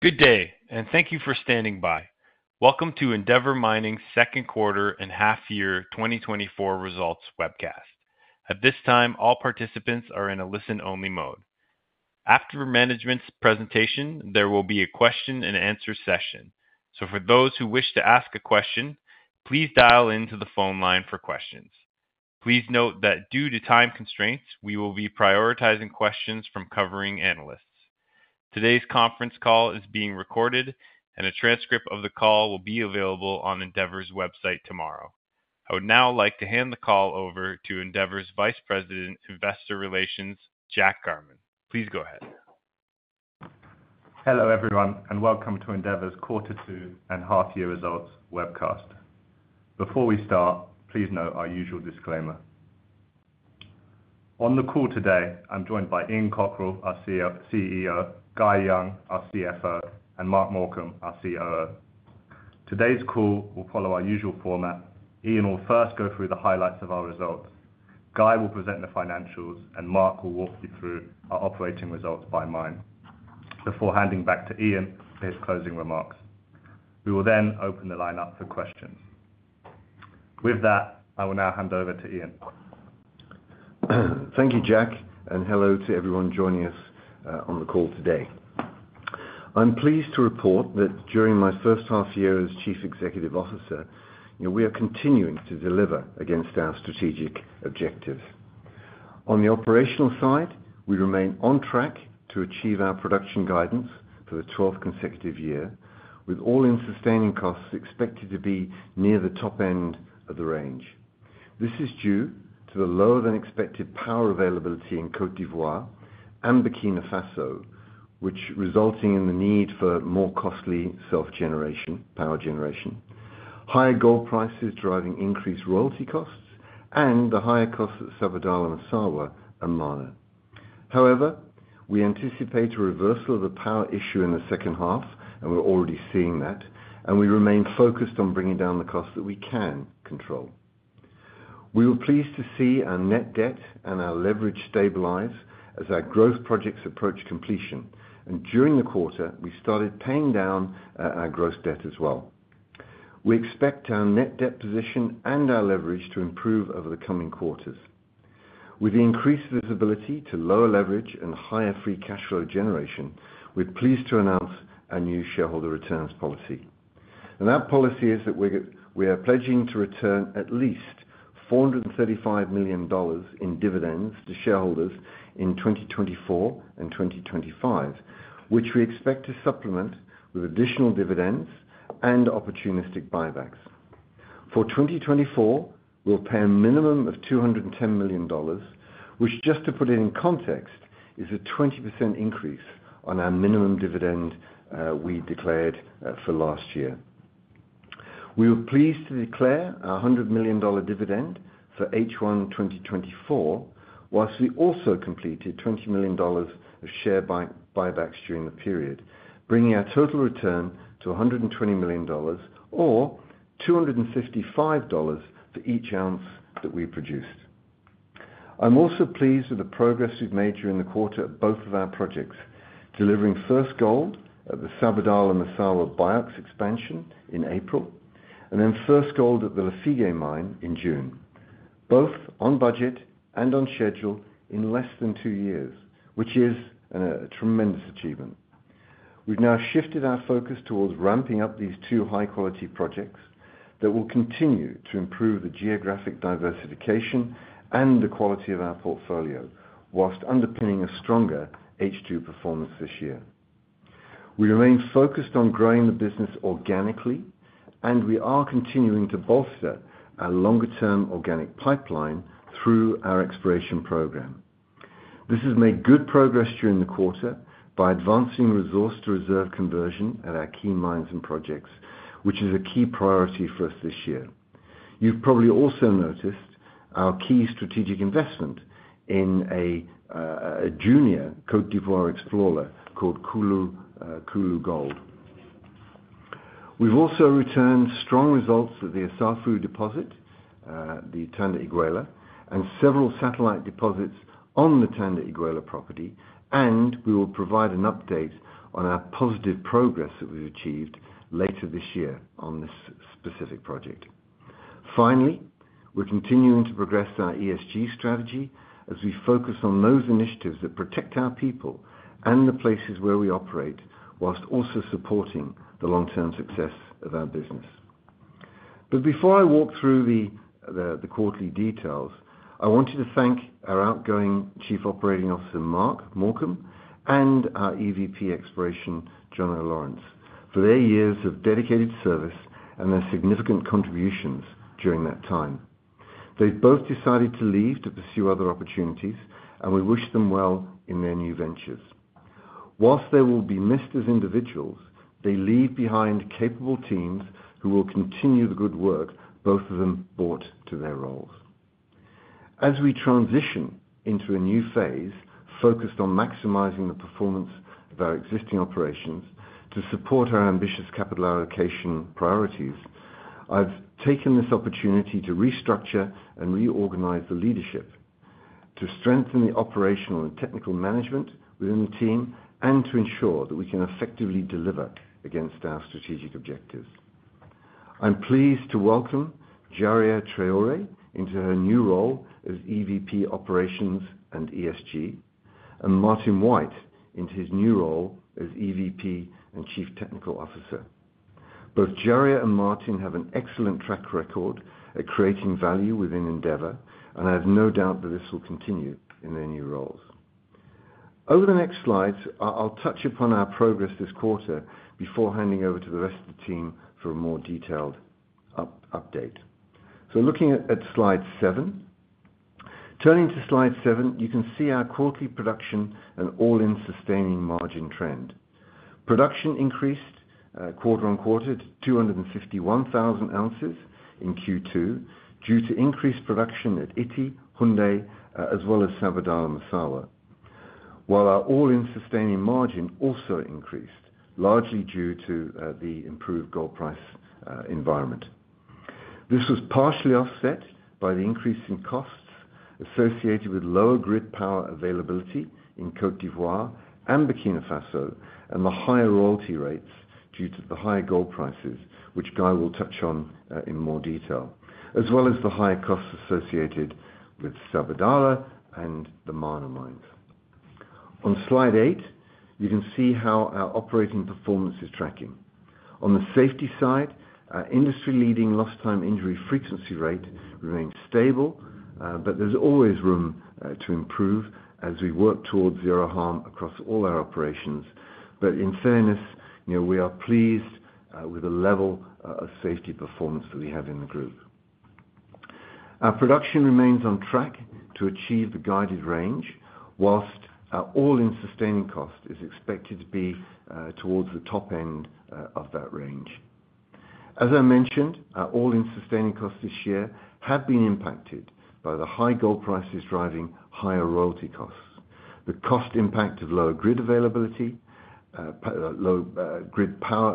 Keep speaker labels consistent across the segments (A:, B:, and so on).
A: Good day, and thank you for standing by. Welcome to Endeavour Mining's Q2 and half-year 2024 results webcast. At this time, all participants are in a listen-only mode. After management's presentation, there will be a question and answer session. So for those who wish to ask a question, please dial into the phone line for questions. Please note that due to time constraints, we will be prioritizing questions from covering analysts. Today's conference call is being recorded, and a transcript of the call will be available on Endeavour's website tomorrow. I would now like to hand the call over to Endeavour's Vice President of Investor Relations, Jack Garman. Please go ahead.
B: Hello, everyone, and welcome to Endeavour's Q2 and Half-Year Results webcast. Before we start, please note our usual disclaimer. On the call today, I'm joined by Ian Cockerill, our CEO, Guy Young, our CFO, and Mark Morcombe, our COO. Today's call will follow our usual format. Ian will first go through the highlights of our results, Guy will present the financials, and Mark will walk you through our operating results by mine, before handing back to Ian for his closing remarks. We will then open the line up for questions. With that, I will now hand over to Ian.
C: Thank you, Jack, and hello to everyone joining us on the call today. I'm pleased to report that during my first half year as Chief Executive Officer, you know, we are continuing to deliver against our strategic objective. On the operational side, we remain on track to achieve our production guidance for the 12th consecutive year, with all-in sustaining costs expected to be near the top end of the range. This is due to the lower-than-expected power availability in Côte d'Ivoire and Burkina Faso, which resulting in the need for more costly self-generation, power generation, higher gold prices driving increased royalty costs, and the higher costs at Sabodala-Massawa and Mana. However, we anticipate a reversal of the power issue in the second half, and we're already seeing that, and we remain focused on bringing down the costs that we can control. We were pleased to see our net debt and our leverage stabilize as our growth projects approach completion, and during the quarter, we started paying down our gross debt as well. We expect our net debt position and our leverage to improve over the coming quarters. With the increased visibility to lower leverage and higher free cash flow generation, we're pleased to announce our new shareholder returns policy. And that policy is that we're, we are pledging to return at least $435 million in dividends to shareholders in 2024 and 2025, which we expect to supplement with additional dividends and opportunistic buybacks. For 2024, we'll pay a minimum of $210 million, which, just to put it in context, is a 20% increase on our minimum dividend we declared for last year. We were pleased to declare our $100 million dividend for H1 2024, whilst we also completed $20 million of share buybacks during the period, bringing our total return to $120 million or $255 million for each ounce that we produced. I'm also pleased with the progress we've made during the quarter at both of our projects, delivering first gold at the Sabodala-Massawa BIOX expansion in April, and then first gold at the Lafigué mine in June, both on budget and on schedule in less than two years, which is a tremendous achievement. We've now shifted our focus towards ramping up these two high-quality projects that will continue to improve the geographic diversification and the quality of our portfolio, whilst underpinning a stronger H2 performance this year. We remain focused on growing the business organically, and we are continuing to bolster our longer-term organic pipeline through our exploration program. This has made good progress during the quarter by advancing resource to reserve conversion at our key mines and projects, which is a key priority for us this year. You've probably also noticed our key strategic investment in a junior Côte d'Ivoire explorer called Koulou Gold. We've also returned strong results at the Assafou deposit, the Tanda-Iguela, and several satellite deposits on the Tanda-Iguela property, and we will provide an update on our positive progress that we've achieved later this year on this specific project. Finally, we're continuing to progress our ESG strategy as we focus on those initiatives that protect our people and the places where we operate, whilst also supporting the long-term success of our business. But before I walk through the quarterly details, I wanted to thank our outgoing Chief Operating Officer, Mark Morcombe, and our EVP Exploration, Jono Lawrence, for their years of dedicated service and their significant contributions during that time. They've both decided to leave to pursue other opportunities, and we wish them well in their new ventures. While they will be missed as individuals, they leave behind capable teams who will continue the good work both of them brought to their roles. As we transition into a new phase, focused on maximizing the performance of our existing operations to support our ambitious capital allocation priorities, I've taken this opportunity to restructure and reorganize the leadership to strengthen the operational and technical management within the team, and to ensure that we can effectively deliver against our strategic objectives. I'm pleased to welcome Djaria Traoré into her new role as EVP of Operations and ESG, and Martin White into his new role as EVP and Chief Technical Officer. Both Djaria and Martin have an excellent track record at creating value within Endeavour, and I have no doubt that this will continue in their new roles. Over the next slides, I'll touch upon our progress this quarter before handing over to the rest of the team for a more detailed update. Looking at slide seven. Turning to slide seven, you can see our quarterly production and all-in sustaining margin trend. Production increased quarter-on-quarter to 251,000 oz in Q2, due to increased production at Ity, Houndé, and Sabodala-Massawa. While our all-in sustaining margin also increased, largely due to the improved gold price environment. This was partially offset by the increase in costs associated with lower grid power availability in Côte d'Ivoire and Burkina Faso, and the higher royalty rates due to the higher gold prices, which Guy will touch on in more detail, as well as the higher costs associated with Sabodala and the Mana mine. On Slide 8, you can see how our operating performance is tracking. On the safety side, our industry-leading lost time injury frequency rate remains stable, but there's always room to improve as we work towards zero harm across all our operations. In fairness, you know, we are pleased with the level of safety performance that we have in the group. Our production remains on track to achieve the guided range, while our all-in sustaining cost is expected to be towards the top end of that range. As I mentioned, our all-in sustaining costs this year have been impacted by the high gold prices driving higher royalty costs, the cost impact of lower grid power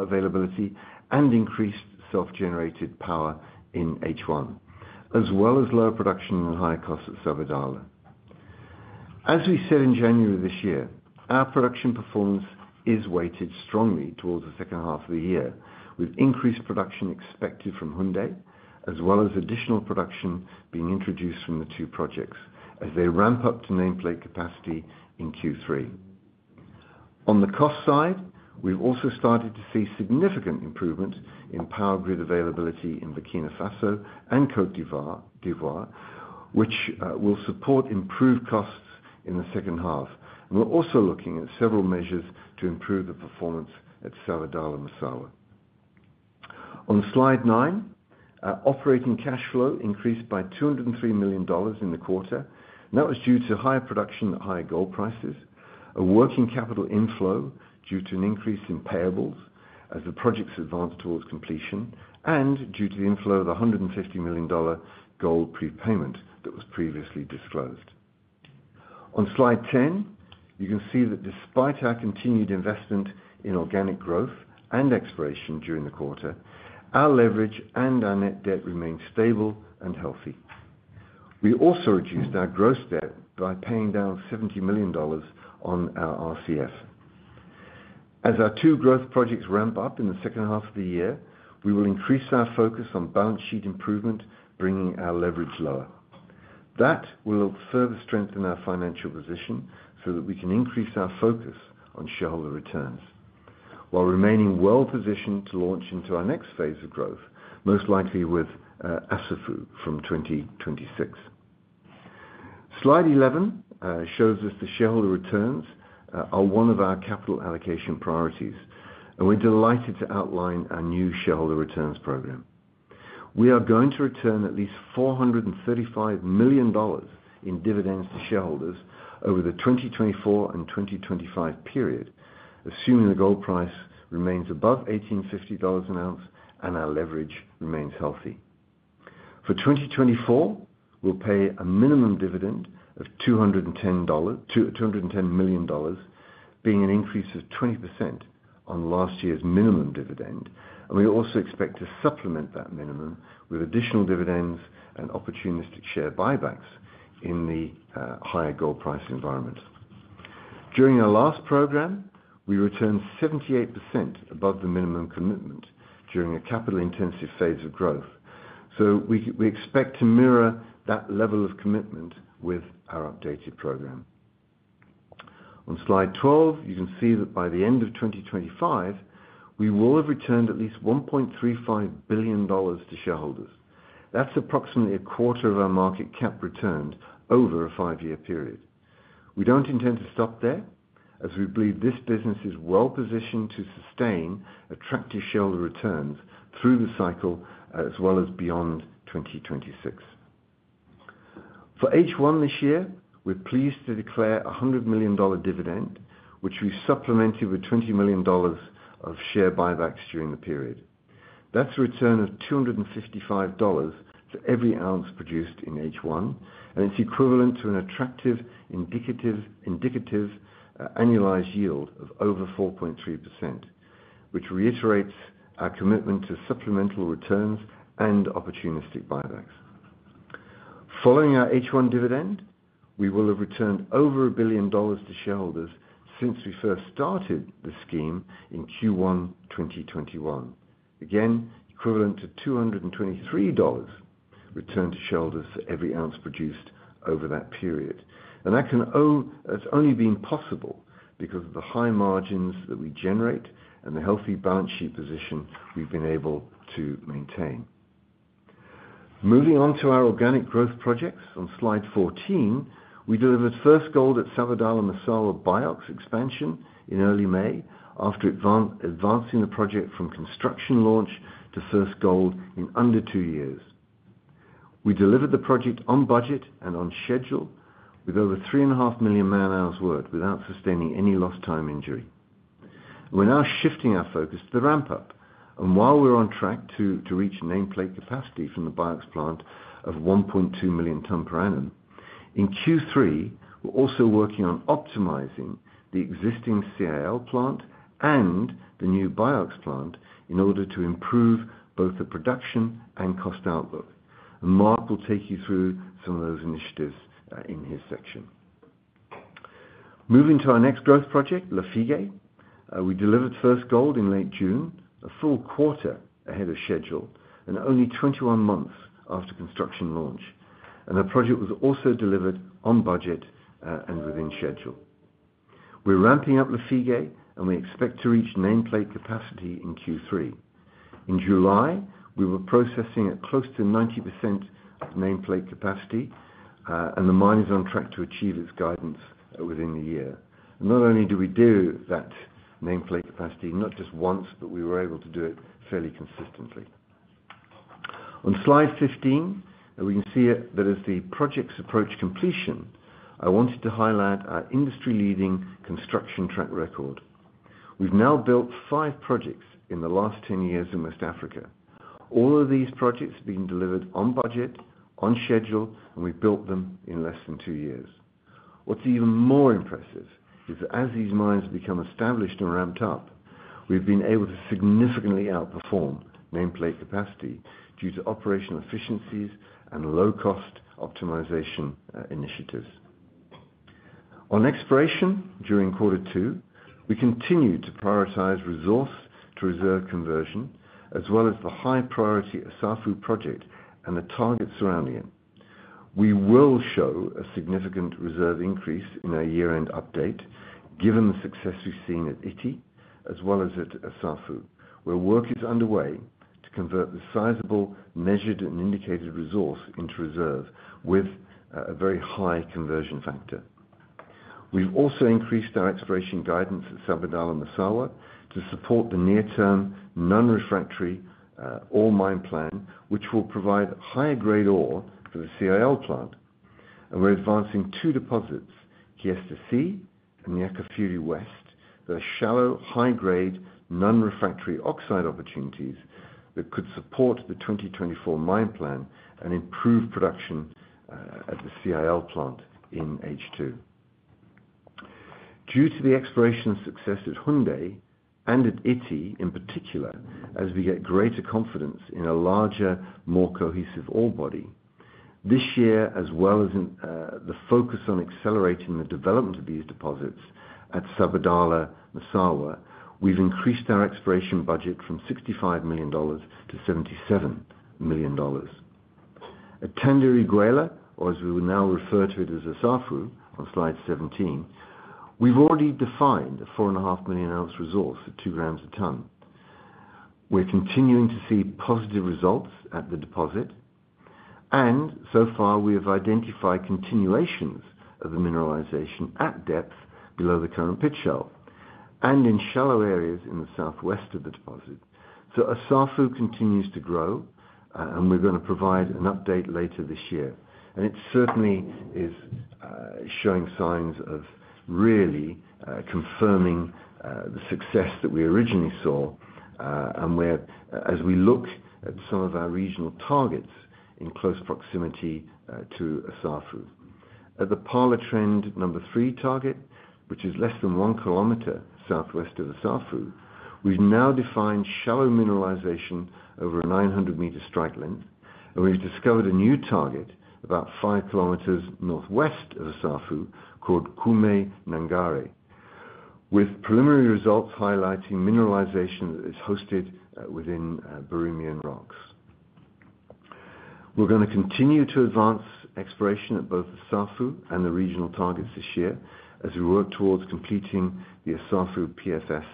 C: availability, and increased self-generated power in H1, as well as lower production and higher costs at Sabodala. As we said in January this year, our production performance is weighted strongly towards the H2 of the year, with increased production expected from Houndé, as well as additional production being introduced from the two projects as they ramp up to nameplate capacity in Q3. On the cost side, we've also started to see significant improvement in power grid availability in Burkina Faso and Côte d'Ivoire, which will support improved costs in the H2. And we're also looking at several measures to improve the performance at Sabodala-Massawa. On Slide 9, our operating cash flow increased by $203 million in the quarter, and that was due to higher production at higher gold prices, a working capital inflow due to an increase in payables as the projects advanced towards completion, and due to the inflow of the $150 million gold prepayment that was previously disclosed. On Slide 10, you can see that despite our continued investment in organic growth and exploration during the quarter, our leverage and our net debt remained stable and healthy. We also reduced our gross debt by paying down $70 million on our RCF. As our two growth projects ramp up in the second half of the year, we will increase our focus on balance sheet improvement, bringing our leverage lower. That will further strengthen our financial position so that we can increase our focus on shareholder returns, while remaining well positioned to launch into our next phase of growth, most likely with Assafou from 2026. Slide 11 shows us the shareholder returns are one of our capital allocation priorities, and we're delighted to outline our new shareholder returns program. We are going to return at least $435 million in dividends to shareholders over the 2024 and 2025 period, assuming the gold price remains above 1,850 oz. and our leverage remains healthy. For 2024, we'll pay a minimum dividend of $210 million, being an increase of 20% on last year's minimum dividend. We also expect to supplement that minimum with additional dividends and opportunistic share buybacks in the higher gold price environment. During our last program, we returned 78% above the minimum commitment during a capital-intensive phase of growth, so we expect to mirror that level of commitment with our updated program. On Slide 12, you can see that by the end of 2025, we will have returned at least $1.35 billion to shareholders. That's approximately a quarter of our market cap returned over a five-year period. We don't intend to stop there, as we believe this business is well positioned to sustain attractive shareholder returns through the cycle, as well as beyond 2026. For H1 this year, we're pleased to declare a $100 million dividend, which we supplemented with $20 million of share buybacks during the period. That's a return of $255 for every ounce produced in H1, and it's equivalent to an attractive, indicative, indicative, annualized yield of over 4.3%, which reiterates our commitment to supplemental returns and opportunistic buybacks. Following our H1 dividend, we will have returned over $1 billion to shareholders since we first started the scheme in Q1 2021. Again, equivalent to $223 returned to shareholders for every ounce produced over that period. That's only been possible because of the high margins that we generate and the healthy balance sheet position we've been able to maintain. Moving on to our organic growth projects on slide 14, we delivered first gold at Sabodala-Massawa BIOX expansion in early May, after advancing the project from construction launch to first gold in under two years. We delivered the project on budget and on schedule, with over 3.5 million man-hours worked without sustaining any lost time injury. We're now shifting our focus to the ramp-up, and while we're on track to reach nameplate capacity from the BIOX plant of 1.2 million ton per annum, in Q3, we're also working on optimizing the existing CIL plant and the new BIOX plant in order to improve both the production and cost outlook. And Mark will take you through some of those initiatives in his section. Moving to our next growth project, Lafigué. We delivered first gold in late June, a full quarter ahead of schedule, and only 21 months after construction launch. And the project was also delivered on budget and within schedule. We're ramping up Lafigué, and we expect to reach nameplate capacity in Q3. In July, we were processing at close to 90% of nameplate capacity, and the mine is on track to achieve its guidance within the year. Not only do we do that nameplate capacity, not just once, but we were able to do it fairly consistently. On Slide 15, and we can see it, that as the projects approach completion, I wanted to highlight our industry-leading construction track record. We've now built five projects in the last 10 years in West Africa. All of these projects have been delivered on budget, on schedule, and we've built them in less than two years. What's even more impressive is that as these mines become established and ramped up, we've been able to significantly outperform nameplate capacity due to operational efficiencies and low-cost optimization initiatives. On exploration, during Q2, we continued to prioritize resource-to-reserve conversion, as well as the high priority Assafou project and the targets surrounding it. We will show a significant reserve increase in our year-end update, given the success we've seen at Ity, as well as at Assafou, where work is underway to convert the sizable, measured, and indicated resource into reserve with a very high conversion factor. We've also increased our exploration guidance at Sabodala-Massawa to support the near-term, non-refractory ore mine plan, which will provide higher-grade ore for the CIL plant. We're advancing two deposits, Kiesta C and Niakafiri West. They're shallow, high-grade, non-refractory oxide opportunities that could support the 2024 mine plan and improve production at the CIL plant in H2. Due to the exploration success at Houndé and at Ity, in particular, as we get greater confidence in a larger, more cohesive ore body, this year, as well as in the focus on accelerating the development of these deposits at Sabodala-Massawa, we've increased our exploration budget from $65 million to $77 million. At Tanda-Iguela, or as we would now refer to it as Assafou, on slide 17, we've already defined a 4.5 million oz resource at 2 grams a ton. We're continuing to see positive results at the deposit, and so far we have identified continuations of the mineralization at depth below the current pit shell, and in shallow areas in the southwest of the deposit. So Assafou continues to grow, and we're gonna provide an update later this year. And it certainly is, showing signs of really confirming the success that we originally saw, and whereas we look at some of our regional targets in close proximity to Assafou. At the Pala Trend 3 target, which is less than 1 kilometer southwest of Assafou, we've now defined shallow mineralization over a 900-meter strike length, and we've discovered a new target about 5 kilometers northwest of Assafou, called Koumke-Nangara, with preliminary results highlighting mineralization that is hosted within Birimian rocks. We're gonna continue to advance exploration at both Assafou and the regional targets this year as we work towards completing the Assafou PFS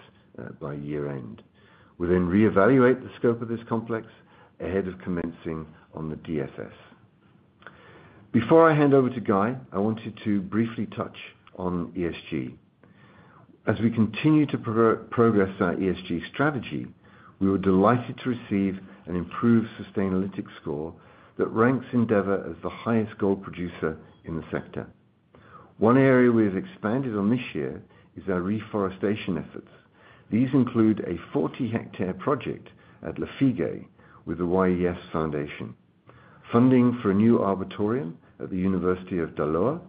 C: by year-end. We'll then reevaluate the scope of this complex ahead of commencing on the DFS. Before I hand over to Guy, I wanted to briefly touch on ESG. As we continue to progress our ESG strategy, we were delighted to receive an improved Sustainalytics score that ranks Endeavour as the highest gold producer in the sector. One area we have expanded on this year is our reforestation efforts. These include a 40-hectare project at Lafigué with the YES Foundation, funding for a new arboretum at the University of Daloa,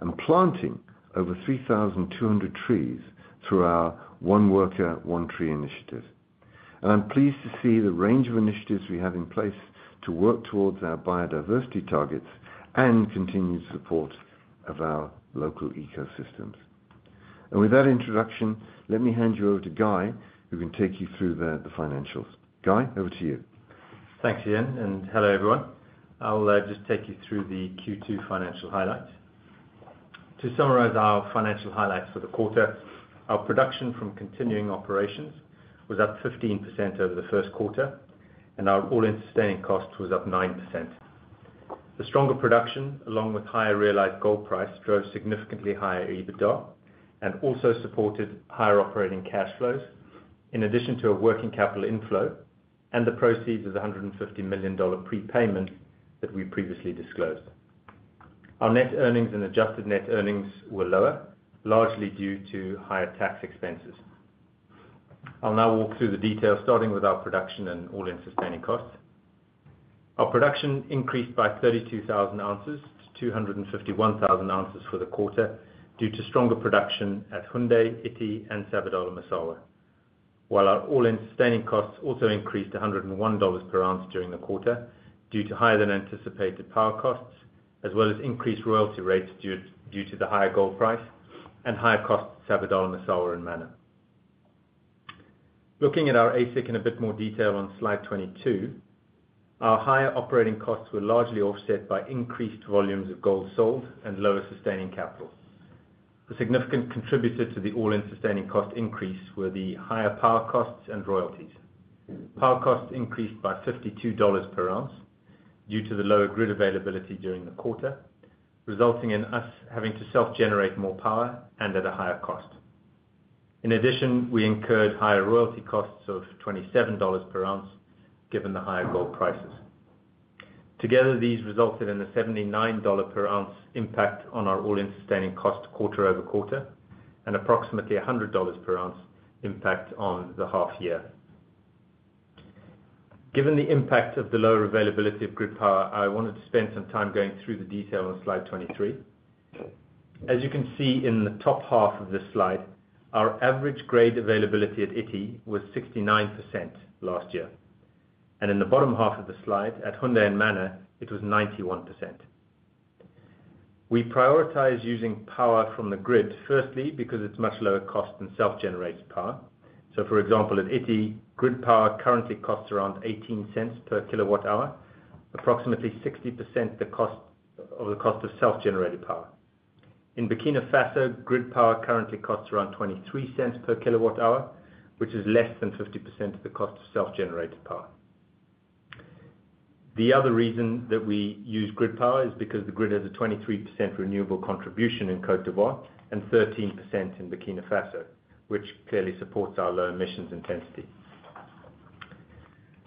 C: and planting over 3,200 trees through our One Worker, One Tree initiative. I'm pleased to see the range of initiatives we have in place to work towards our biodiversity targets and continued support of our local ecosystems. With that introduction, let me hand you over to Guy, who can take you through the financials. Guy, over to you.
D: Thanks, Ian, and hello, everyone. I'll just take you through the Q2 financial highlights. To summarize our financial highlights for the quarter, our production from continuing operations was up 15% over the Q1, and our all-in sustaining costs was up 9%. The stronger production, along with higher realized gold price, drove significantly higher EBITDA and also supported higher operating cash flows, in addition to a working capital inflow and the proceeds of the $150 million prepayment that we previously disclosed. Our net earnings and adjusted net earnings were lower, largely due to higher tax expenses. I'll now walk through the details, starting with our production and all-in sustaining costs. Our production increased by 32,000 oz to 251,000 oz for the quarter, due to stronger production at Houndé, Ity, and Sabodala-Massawa. While our all-in sustaining costs also increased to $101 per ounce during the quarter, due to higher than anticipated power costs, as well as increased royalty rates due to the higher gold price and higher costs at Sabodala-Massawa and Mana. Looking at our AISC in a bit more detail on slide 22, our higher operating costs were largely offset by increased volumes of gold sold and lower sustaining capital. The significant contributor to the all-in sustaining cost increase were the higher power cost and royalty, power cost increased by $52 per oz due to lower grid availability during quarter resulting in us having to self generate more power and at a higher cost. In addition, we incurred higher royalty costs of $27 per oz, given the higher gold prices. Together, these resulted in a $79 per oz impact on our all-in sustaining cost quarter-over-quarter and approximately $100 per oz impact on the half-year. Given the impact of the lower availability of grid power, I wanted to spend some time going through the detail on slide 23. As you can see in the top half of this slide, our average grid availability at Ity was 69% last year, and in the bottom half of the slide, at Houndé and Mana, it was 91%. We prioritize using power from the grid, firstly, because it's much lower cost than self-generated power. So for example, at Ity, grid power currently costs around $0.18 per kWh, approximately 60% of the cost of self-generated power. In Burkina Faso, grid power currently costs around $0.23 per kWh, which is less than 50% of the cost of self-generated power. The other reason that we use grid power is because the grid has a 23% renewable contribution in Côte d'Ivoire and 13% in Burkina Faso, which clearly supports our low emissions intensity.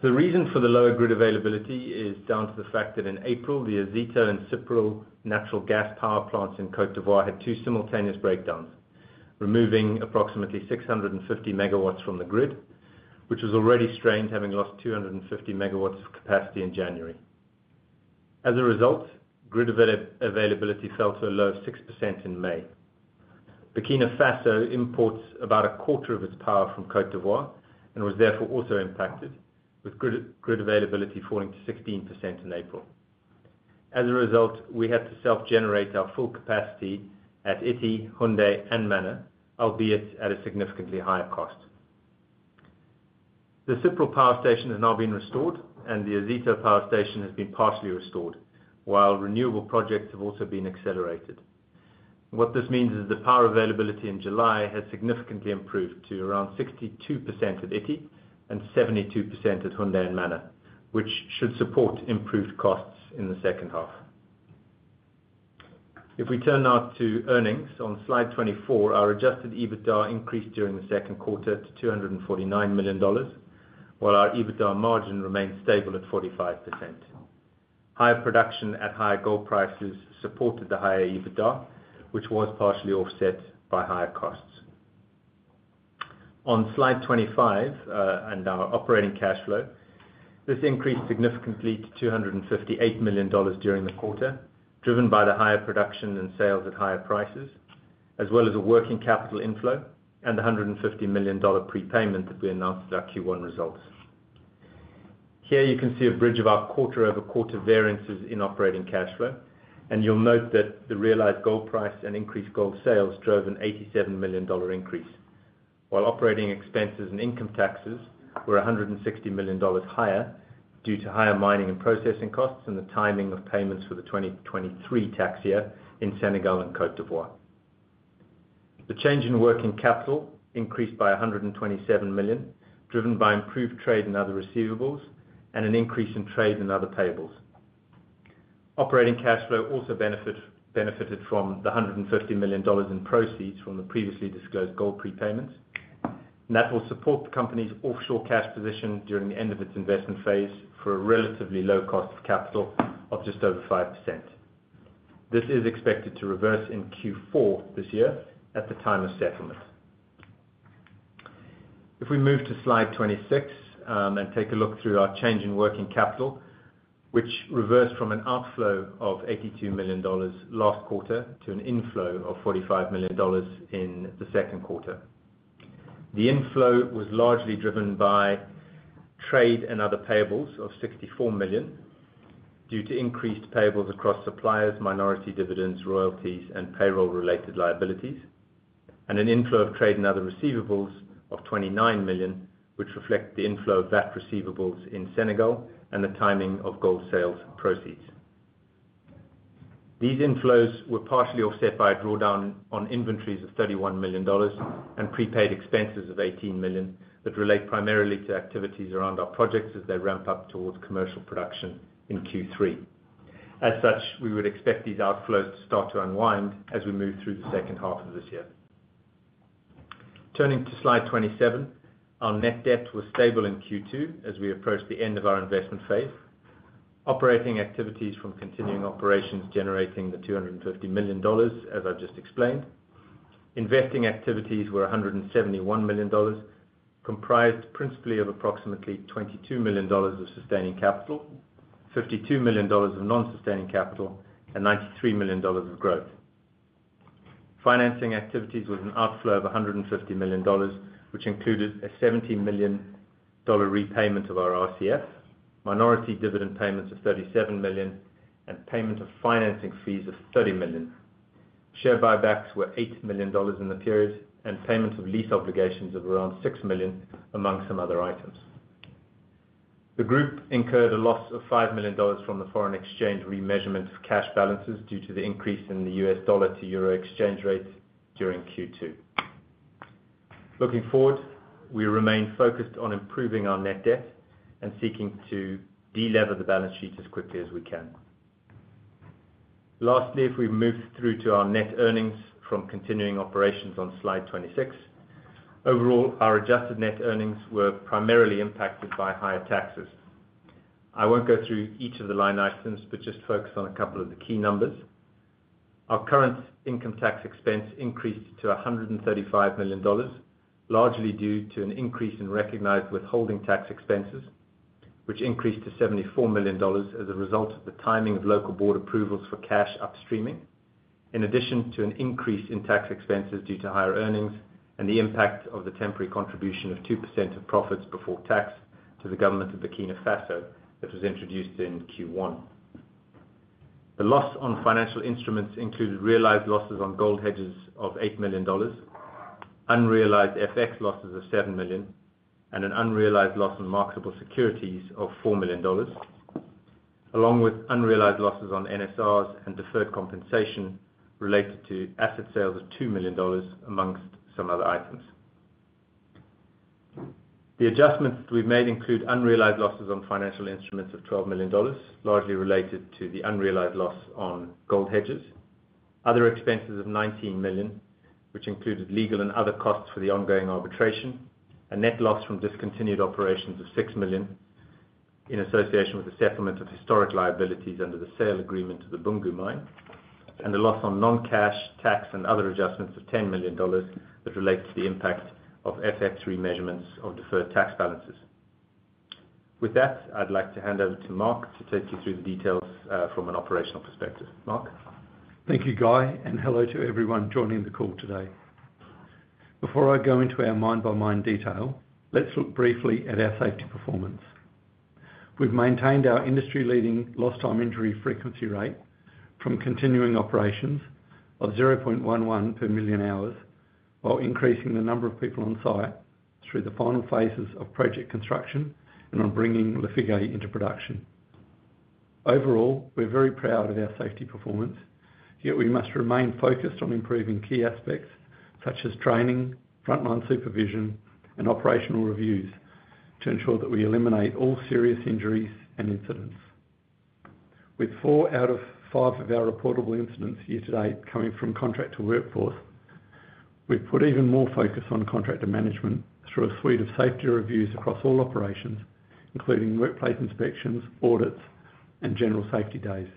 D: The reason for the lower grid availability is down to the fact that in April, the Azito and Ciprel natural gas power plants in Côte d'Ivoire had two simultaneous breakdowns, removing approximately 650 MW from the grid, which was already strained, having lost 250 MW of capacity in January. As a result, grid availability fell to a low of 6% in May. Burkina Faso imports about a quarter of its power from Côte d'Ivoire and was therefore also impacted, with grid availability falling to 16% in April. As a result, we had to self-generate our full capacity at Ity, Houndé, and Mana, albeit at a significantly higher cost. The Ciprel Power Station has now been restored, and the Azito Power Station has been partially restored, while renewable projects have also been accelerated. What this means is the power availability in July has significantly improved to around 62% at Ity and 72% at Houndé and Mana, which should support improved costs in the H2. If we turn now to earnings on slide 24, our adjusted EBITDA increased during the Q2 to $249 million, while our EBITDA margin remained stable at 45%. Higher production at higher gold prices supported the higher EBITDA, which was partially offset by higher costs. On Slide 25, and our operating cash flow, this increased significantly to $258 million during the quarter, driven by the higher production and sales at higher prices, as well as a working capital inflow and $150 million prepayment that we announced at our Q1 results. Here you can see a bridge of our quarter-over-quarter variances in operating cash flow, and you'll note that the realized gold price and increased gold sales drove an $87 million increase, while operating expenses and income taxes were $160 million higher due to higher mining and processing costs and the timing of payments for the 2023 tax year in Senegal and Côte d'Ivoire. The change in working capital increased by $127 million, driven by improved trade and other receivables, and an increase in trade and other payables. Operating cash flow also benefited from the $150 million in proceeds from the previously disclosed gold prepayments, and that will support the company's offshore cash position during the end of its investment phase for a relatively low cost of capital of just over 5%. This is expected to reverse in Q4 this year at the time of settlement. If we move to slide 26, and take a look through our change in working capital, which reversed from an outflow of $82 million last quarter, to an inflow of $45 million in the Q2. The inflow was largely driven by trade and other payables of $64 million, due to increased payables across suppliers, minority dividends, royalties, and payroll-related liabilities, and an inflow of trade and other receivables of $29 million, which reflect the inflow of VAT receivables in Senegal and the timing of gold sales proceeds. These inflows were partially offset by a drawdown on inventories of $31 million dollars and prepaid expenses of $18 million, that relate primarily to activities around our projects as they ramp up towards commercial production in Q3. As such, we would expect these outflows to start to unwind as we move through the H2 of this year. Turning to slide 27, our net debt was stable in Q2 as we approach the end of our investment phase. Operating activities from continuing operations, generating the $250 million dollars, as I've just explained. Investing activities were $171 million, comprised principally of approximately $22 million of sustaining capital, $52 million of non-sustaining capital, and $93 million of growth. Financing activities was an outflow of $150 million, which included a $70 million repayment of our RCF, minority dividend payments of $37 million, and payment of financing fees of $30 million. Share buybacks were $8 million in the period, and payment of lease obligations of around $6 million, among some other items. The group incurred a loss of $5 million from the foreign exchange remeasurement of cash balances, due to the increase in the U.S. dollar to euro exchange rate during Q2. Looking forward, we remain focused on improving our net debt and seeking to delever the balance sheet as quickly as we can. Lastly, if we move through to our net earnings from continuing operations on slide 26, overall, our adjusted net earnings were primarily impacted by higher taxes. I won't go through each of the line items, but just focus on a couple of the key numbers. Our current income tax expense increased to $135 million, largely due to an increase in recognized withholding tax expenses, which increased to $74 million as a result of the timing of local board approvals for cash upstreaming, in addition to an increase in tax expenses due to higher earnings and the impact of the temporary contribution of 2% of profits before tax to the government of Burkina Faso that was introduced in Q1. The loss on financial instruments included realized losses on gold hedges of $8 million, unrealized FX losses of $7 million, and an unrealized loss on marketable securities of $4 million, along with unrealized losses on NSRs and deferred compensation related to asset sales of $2 million, among some other items. The adjustments we've made include unrealized losses on financial instruments of $12 million, largely related to the unrealized loss on gold hedges. Other expenses of $19 million, which included legal and other costs for the ongoing arbitration, a net loss from discontinued operations of $6 million in association with the settlement of historic liabilities under the sale agreement to the Boungou Mine, and a loss on non-cash, tax, and other adjustments of $10 million that relate to the impact of FX remeasurements of deferred tax balances. With that, I'd like to hand over to Mark to take you through the details, from an operational perspective. Mark?
E: Thank you, Guy, and hello to everyone joining the call today. Before I go into our mine-by-mine detail, let's look briefly at our safety performance. We've maintained our industry-leading lost time injury frequency rate from continuing operations of 0.11 per million hours, while increasing the number of people on site through the final phases of project construction and on bringing Lafigué into production. Overall, we're very proud of our safety performance, yet we must remain focused on improving key aspects such as training, frontline supervision, and operational reviews, to ensure that we eliminate all serious injuries and incidents. With four out of five of our reportable incidents year to date coming from contractor workforce, we've put even more focus on contractor management through a suite of safety reviews across all operations, including workplace inspections, audits, and general safety days.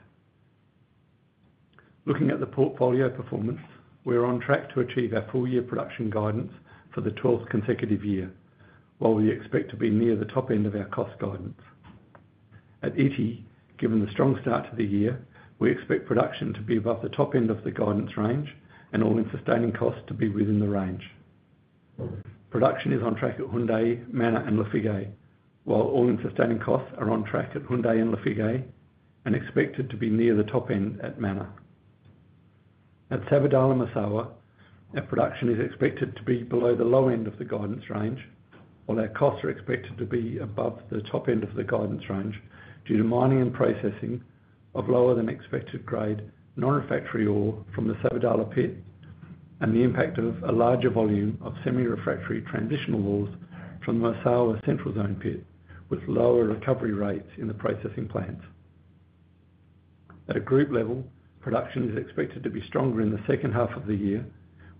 E: Looking at the portfolio performance, we are on track to achieve our full-year production guidance for the 12th consecutive year, while we expect to be near the top end of our cost guidance. At Ity, given the strong start to the year, we expect production to be above the top end of the guidance range and all-in sustaining cost to be within the range. Production is on track at Houndé, Mana, and Lafigué, while all-in sustaining costs are on track at Houndé and Lafigué, and expected to be near the top end at Mana. At Sabodala-Massawa, our production is expected to be below the low end of the guidance range, while our costs are expected to be above the top end of the guidance range, due to mining and processing of lower-than-expected grade, non-refractory ore from the Sabodala pit, and the impact of a larger volume of semi-refractory transitional ores from Massawa's Central Zone pit, with lower recovery rates in the processing plants. At a group level, production is expected to be stronger in the H2 of the year,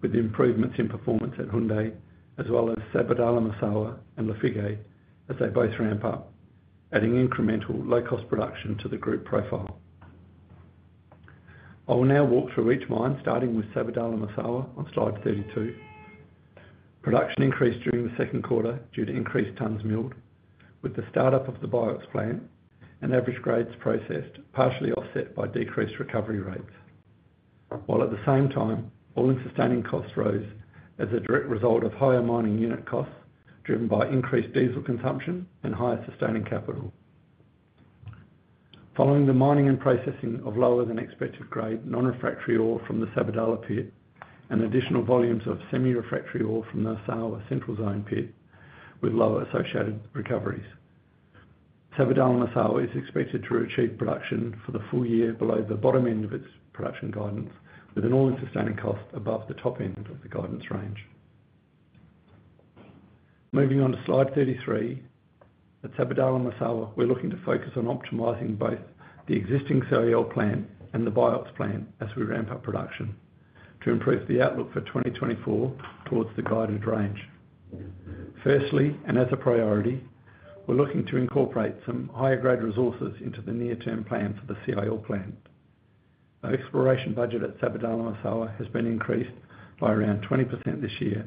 E: with improvements in performance at Houndé, as well as Sabodala-Massawa and Lafigué, as they both ramp up, adding incremental low-cost production to the group profile. I will now walk through each mine, starting with Sabodala-Massawa on slide 32. Production increased during the Q2 due to increased tons milled, with the start-up of the BIOX plant and average grades processed, partially offset by decreased recovery rates. While at the same time, all-in sustaining costs rose as a direct result of higher mining unit costs, driven by increased diesel consumption and higher sustaining capital. Following the mining and processing of lower-than-expected grade, non-refractory ore from the Sabodala pit, and additional volumes of semi-refractory ore from the Massawa Central Zone pit, with lower associated recoveries. Sabodala-Massawa is expected to achieve production for the full year below the bottom end of its production guidance, with an all-in sustaining cost above the top end of the guidance range. Moving on to slide 33, at Sabodala-Massawa, we're looking to focus on optimizing both the existing CIL plant and the BIOX plant as we ramp up production, to improve the outlook for 2024 towards the guided range. Firstly, and as a priority, we're looking to incorporate some higher-grade resources into the near-term plan for the CIL plant. Our exploration budget at Sabodala-Massawa has been increased by around 20% this year,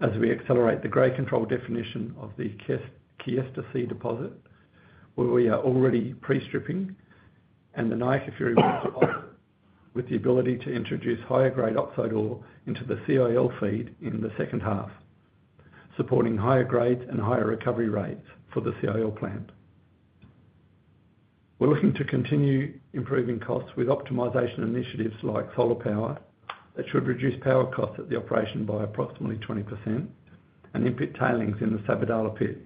E: as we accelerate the grade control definition of the Kiesta C Deposit, where we are already pre-stripping, and the Niakafiri Deposit, with the ability to introduce higher-grade oxide ore into the CIL feed in the second half, supporting higher grades and higher recovery rates for the CIL plant. We're looking to continue improving costs with optimization initiatives like solar power, which should reduce power costs at the operation by approximately 20%, and in-pit tailings in the Sabodala pit,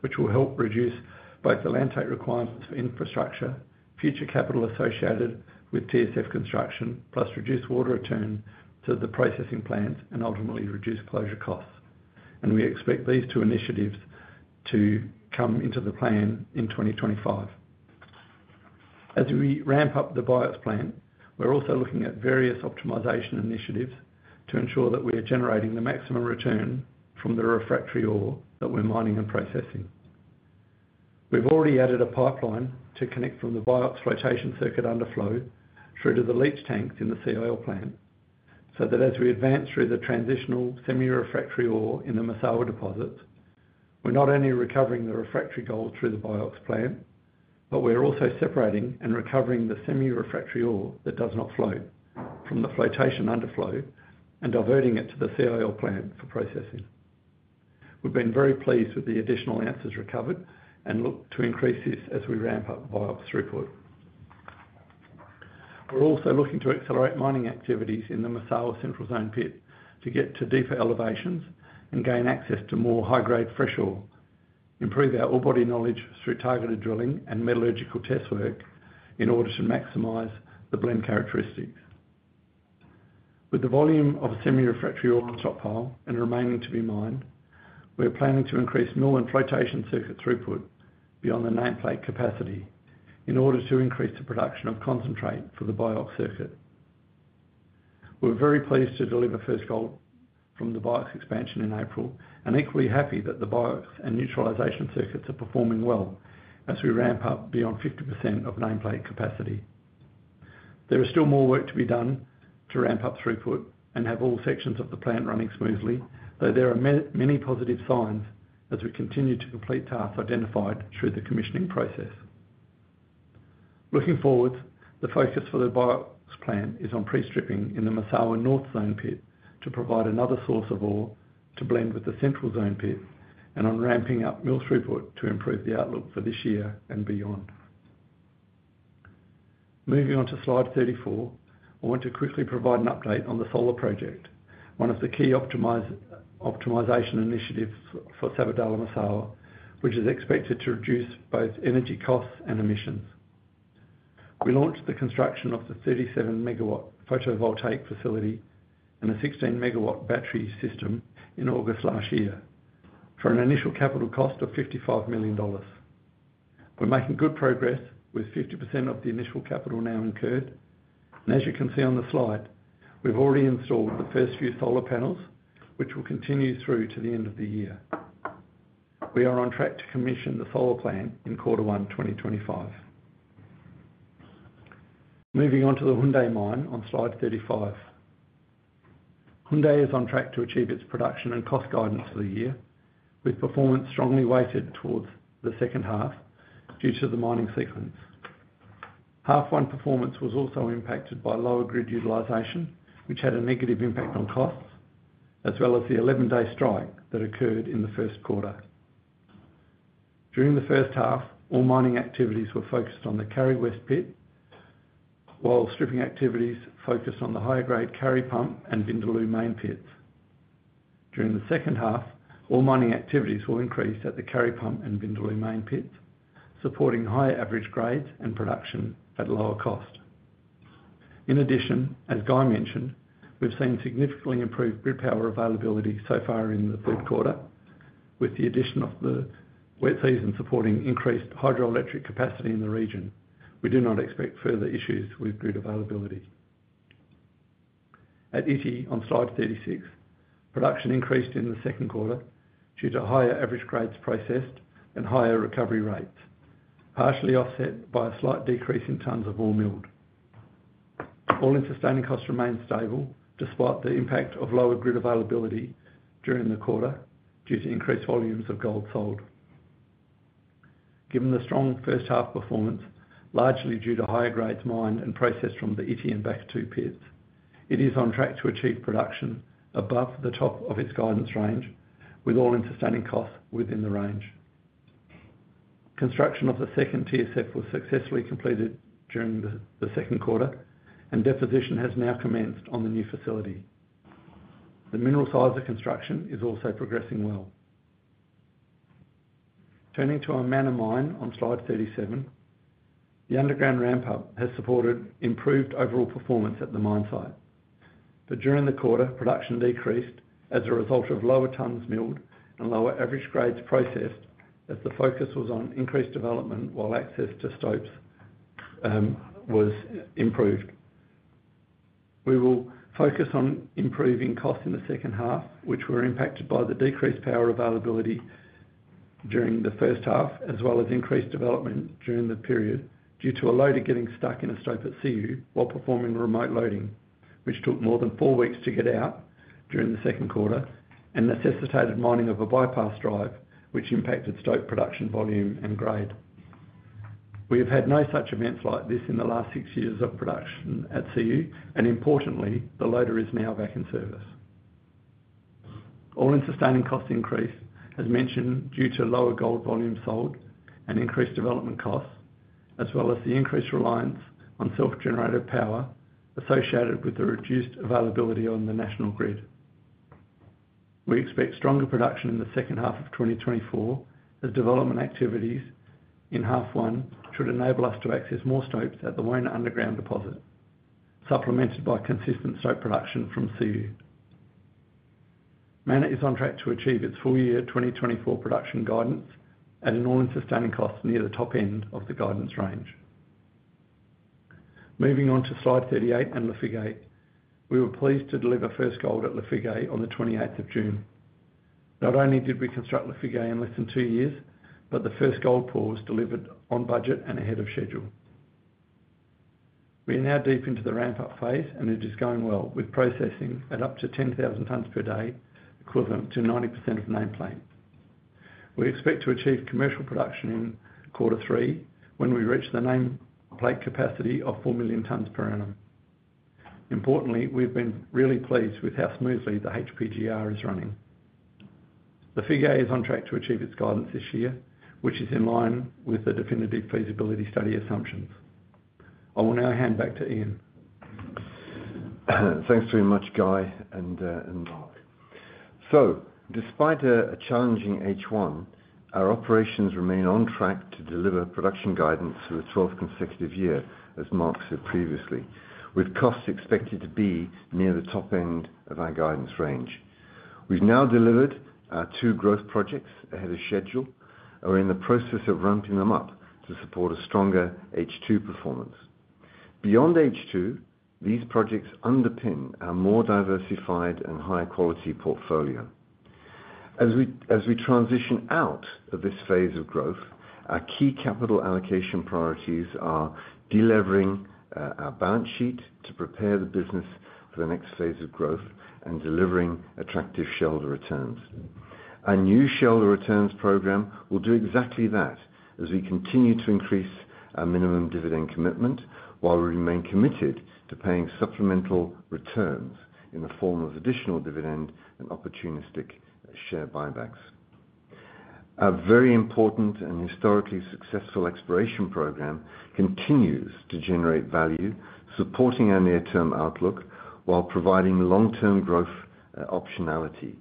E: which will help reduce both the land take requirements for infrastructure, future capital associated with TSF construction, plus reduce water return to the processing plant and ultimately, reduce closure costs. We expect these two initiatives to come into the plan in 2025. As we ramp up the BIOX plant, we're also looking at various optimization initiatives to ensure that we are generating the maximum return from the refractory ore that we're mining and processing. We've already added a pipeline to connect from the BIOX flotation circuit underflow through to the leach tank in the CIL plant, so that as we advance through the transitional semi-refractory ore in the Massawa deposit, we're not only recovering the refractory gold through the BIOX plant, but we're also separating and recovering the semi-refractory ore that does not flow from the flotation underflow and diverting it to the CIL plant for processing. We've been very pleased with the additional ounces recovered and look to increase this as we ramp up BIOX throughput. We're also looking to accelerate mining activities in the Massawa Central Zone pit to get to deeper elevations and gain access to more high-grade fresh ore, improve our ore body knowledge through targeted drilling and metallurgical test work in order to maximize the blend characteristics. With the volume of semi-refractory ore on top pile and remaining to be mined, we are planning to increase mill and flotation circuit throughput beyond the nameplate capacity in order to increase the production of concentrate for the BIOX circuit. We're very pleased to deliver first gold from the BIOX expansion in April, and equally happy that the BIOX and neutralization circuits are performing well as we ramp up beyond 50% of nameplate capacity. There is still more work to be done to ramp up throughput and have all sections of the plant running smoothly, though there are many positive signs as we continue to complete tasks identified through the commissioning process. Looking forward, the focus for the BIOX plant is on pre-stripping in the Massawa North Zone pit to provide another source of ore to blend with the central zone pit, and on ramping up mill throughput to improve the outlook for this year and beyond. Moving on to Slide 34, I want to quickly provide an update on the solar project, one of the key optimization initiatives for Sabodala-Massawa, which is expected to reduce both energy costs and emissions. We launched the construction of the 37 MW photovoltaic facility and a 16 MW battery system in August last year, for an initial capital cost of $55 million. We're making good progress with 50% of the initial capital now incurred, and as you can see on the slide, we've already installed the first few solar panels, which will continue through to the end of the year. We are on track to commission the solar plant in Q1, 2025. Moving on to the Houndé mine on slide 35. Houndé is on track to achieve its production and cost guidance for the year, with performance strongly weighted towards the second half due to the mining sequence. First half performance was also impacted by lower grid utilization, which had a negative impact on costs, as well as the 11-day strike that occurred in the Q1. During the first half, all mining activities were focused on the Kari West pit, while stripping activities focused on the higher-grade Kari Pump and Vindaloo Main pits. During the second half, all mining activities will increase at the Kari Pump and Vindaloo Main pits, supporting higher average grades and production at a lower cost. In addition, as Guy mentioned, we've seen significantly improved grid power availability so far in the third quarter, with the addition of the wet season supporting increased hydroelectric capacity in the region. We do not expect further issues with grid availability. At Ity, on slide 36, production increased in the Q2 due to higher average grades processed and higher recovery rates, partially offset by a slight decrease in tons of ore milled. All-in sustaining costs remained stable despite the impact of lower grid availability during the quarter, due to increased volumes of gold sold. Given the strong first half performance, largely due to higher grades mined and processed from the Ity and Bastion pits, Ity is on track to achieve production above the top of its guidance range, with all-in sustaining costs within the range. Construction of the second TSF was successfully completed during the Q2, and deposition has now commenced on the new facility. The mineral sizer's construction is also progressing well. Turning to our Mana mine on slide 37, the underground ramp-up has supported improved overall performance at the mine site. But during the quarter, production decreased as a result of lower tons milled and lower average grades processed, as the focus was on increased development while access to stopes was improved. We will focus on improving costs in the second half, which were impacted by the decreased power availability during the first half, as well as increased development during the period, due to a loader getting stuck in a stope at Siou while performing remote loading, which took more than four weeks to get out during the Q2, and necessitated mining of a bypass drive, which impacted stope production, volume, and grade. We have had no such events like this in the last six years of production at Siou, and importantly, the loader is now back in service. All-in sustaining cost increase, as mentioned, due to lower gold volumes sold and increased development costs, as well as the increased reliance on self-generated power associated with the reduced availability on the national grid. We expect stronger production in the second half of 2024, as development activities in the first half should enable us to access more stopes at the Wouna underground deposit, supplemented by consistent stope production from Siou. Mana is on track to achieve its full-year 2024 production guidance at an all-in sustaining cost near the top end of the guidance range. Moving on to slide 38 and Lafigué. We were pleased to deliver first gold at Lafigué on the 28th of June. Not only did we construct Lafigué in less than 2 years, but the first gold pour was delivered on budget and ahead of schedule. We are now deep into the ramp-up phase, and it is going well, with processing at up to 10,000 tons per day, equivalent to 90% of nameplate. We expect to achieve commercial production in Q3, when we reach the nameplate capacity of 4 million tons per annum. Importantly, we've been really pleased with how smoothly the HPGR is running. Lafigué is on track to achieve its guidance this year, which is in line with the definitive feasibility study assumptions. I will now hand back to Ian.
C: Thanks very much, Guy and Mark. So despite a challenging H1, our operations remain on track to deliver production guidance for a 12th consecutive year, as Mark said previously, with costs expected to be near the top end of our guidance range. We've now delivered our two growth projects ahead of schedule, and we're in the process of ramping them up to support a stronger H2 performance. Beyond H2, these projects underpin our more diversified and higher quality portfolio. As we transition out of this phase of growth, our key capital allocation priorities are delevering our balance sheet to prepare the business for the next phase of growth and delivering attractive shareholder returns. Our new shareholder returns program will do exactly that, as we continue to increase our minimum dividend commitment, while we remain committed to paying supplemental returns in the form of additional dividend and opportunistic share buybacks. Our very important and historically successful exploration program continues to generate value, supporting our near-term outlook while providing long-term growth, optionality,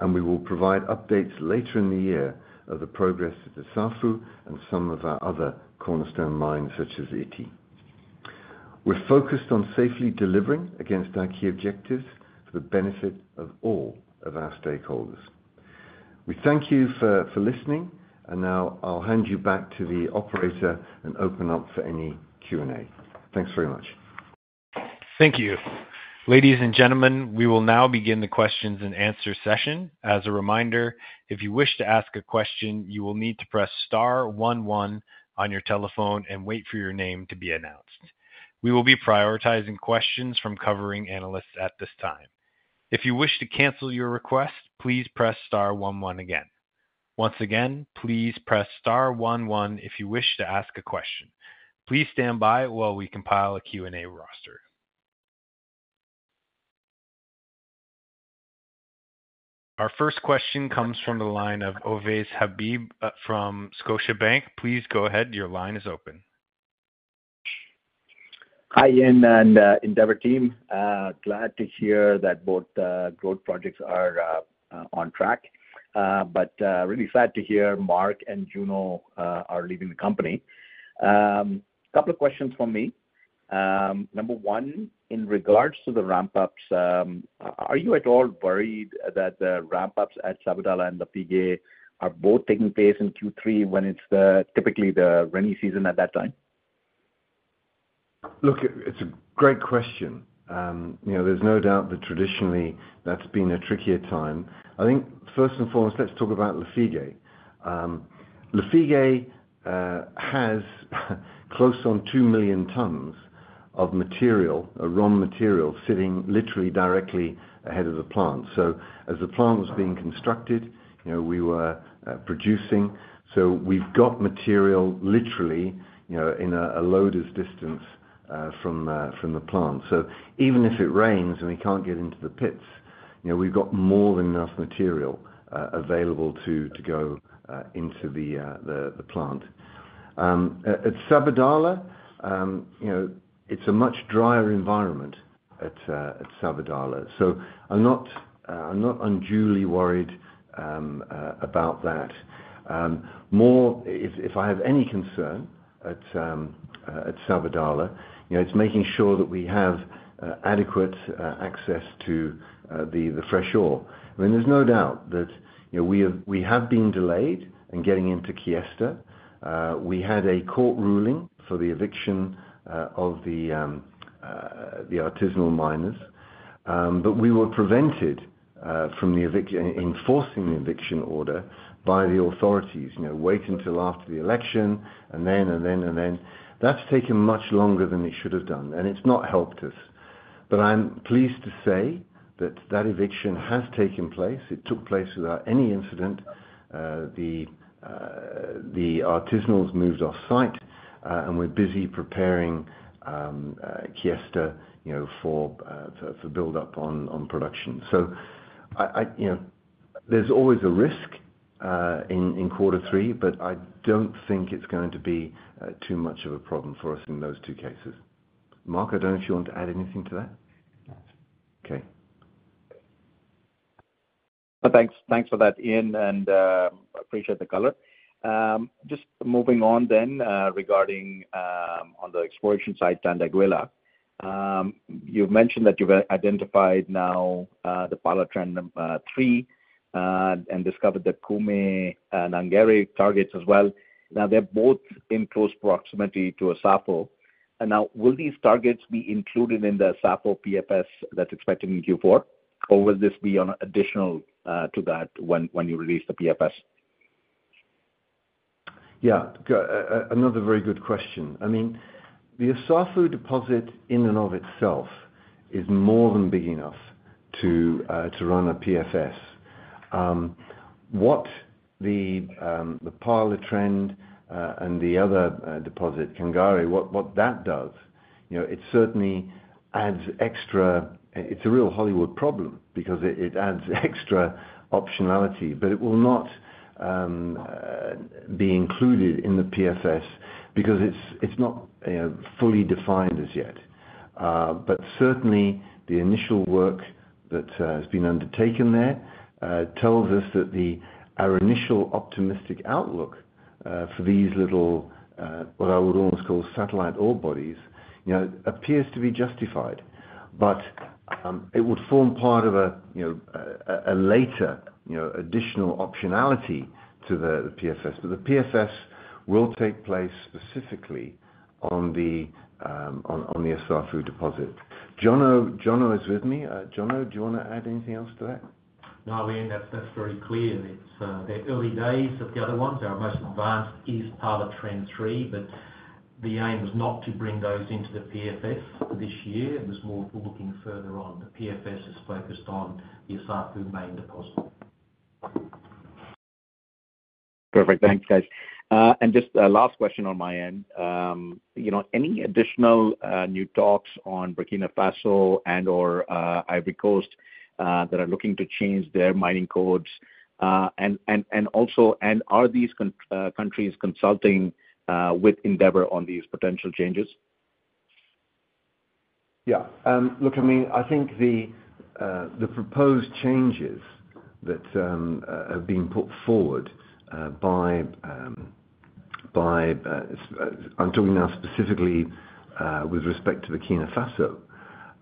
C: and we will provide updates later in the year of the progress at the Assafou and some of our other cornerstone mines, such as Ity. We're focused on safely delivering against our key objectives for the benefit of all of our stakeholders. We thank you for listening, and now I'll hand you back to the operator and open up for any Q&A. Thanks very much.
A: Thank you. Ladies and gentlemen, we will now begin the questions and answer session. As a reminder, if you wish to ask a question, you will need to press star one one on your telephone and wait for your name to be announced. We will be prioritizing questions from covering analysts at this time. If you wish to cancel your request, please press star one one again. Once again, please press star one one if you wish to ask a question. Please stand by while we compile a Q&A roster. Our first question comes from the line of Ovais Habib from Scotiabank. Please go ahead. Your line is open.
F: Hi, Ian and Endeavour team. Glad to hear that both the growth projects are on track, but really sad to hear Mark and Jono are leaving the company. A couple of questions from me. Number one, in regards to the ramp-ups, are you at all worried that the ramp-ups at Sabodala and Lafigué are both taking place in Q3, when it's typically the rainy season at that time?
C: Look, it's a great question. You know, there's no doubt that traditionally, that's been a trickier time. I think, first and foremost, let's talk about Lafigué. Lafigué has close on 2 million tons of raw material, sitting literally directly ahead of the plant. So as the plant was being constructed, you know, we were producing. So we've got material literally, you know, in a loader's distance from the plant. So even if it rains and we can't get into the pits, you know, we've got more than enough material available to go into the plant. At Sabodala, you know, it's a much drier environment at Sabodala. So I'm not unduly worried about that. If I have any concern at Sabodala, you know, it's making sure that we have adequate access to the fresh ore. I mean, there's no doubt that, you know, we have been delayed in getting into Kiesta. We had a court ruling for the eviction of the artisanal miners, but we were prevented from enforcing the eviction order by the authorities. You know, wait until after the election, and then, and then, and then. That's taken much longer than it should have done, and it's not helped us. But I'm pleased to say that that eviction has taken place. It took place without any incident. The artisanals moved off site, and we're busy preparing Kiesta, you know, for build-up on production. So you know, there's always a risk in quarter three, but I don't think it's going to be too much of a problem for us in those two cases. Mark, I don't know if you want to add anything to that?
E: No.
C: Okay.
F: Thanks, thanks for that, Ian, and appreciate the color. Just moving on then, regarding on the exploration site, Tanda-Iguela. You've mentioned that you've identified now the Pala Trend 3 and discovered the Koumke and Nangara targets as well. Now, they're both in close proximity to Assafou. And now, will these targets be included in the Assafou PFS that's expected in Q4, or will this be in addition to that when you release the PFS?
C: Yeah, another very good question. I mean, the Assafou deposit in and of itself is more than big enough to run a PFS. What the Pala Trend and the other deposit, Koumke-Nangara, what that does, you know, it certainly adds extra... It's a real Hollywood problem because it adds extra optionality, but it will not be included in the PFS because it's not fully defined as yet. But certainly, the initial work that has been undertaken there tells us that our initial optimistic outlook for these little what I would almost call satellite ore bodies, you know, appears to be justified. But it would form part of a later additional optionality to the PFS. The PFS will take place specifically on the Assafou deposit. Jono, Jono is with me. Jono, do you wanna add anything else to that?
G: No, Ian, that's very clear. It's they're early days of the other ones. Our most advanced is Pala Trend 3, but the aim is not to bring those into the PFS this year. It was more for looking further on. The PFS is focused on the Assafou main deposit.
F: Perfect. Thanks, guys. And just a last question on my end. You know, any additional new talks on Burkina Faso and/or Ivory Coast that are looking to change their mining codes? And also, are these countries consulting with Endeavour on these potential changes?
C: Yeah. Look, I mean, I think the proposed changes that are being put forward by, I'm talking now specifically with respect to Burkina Faso.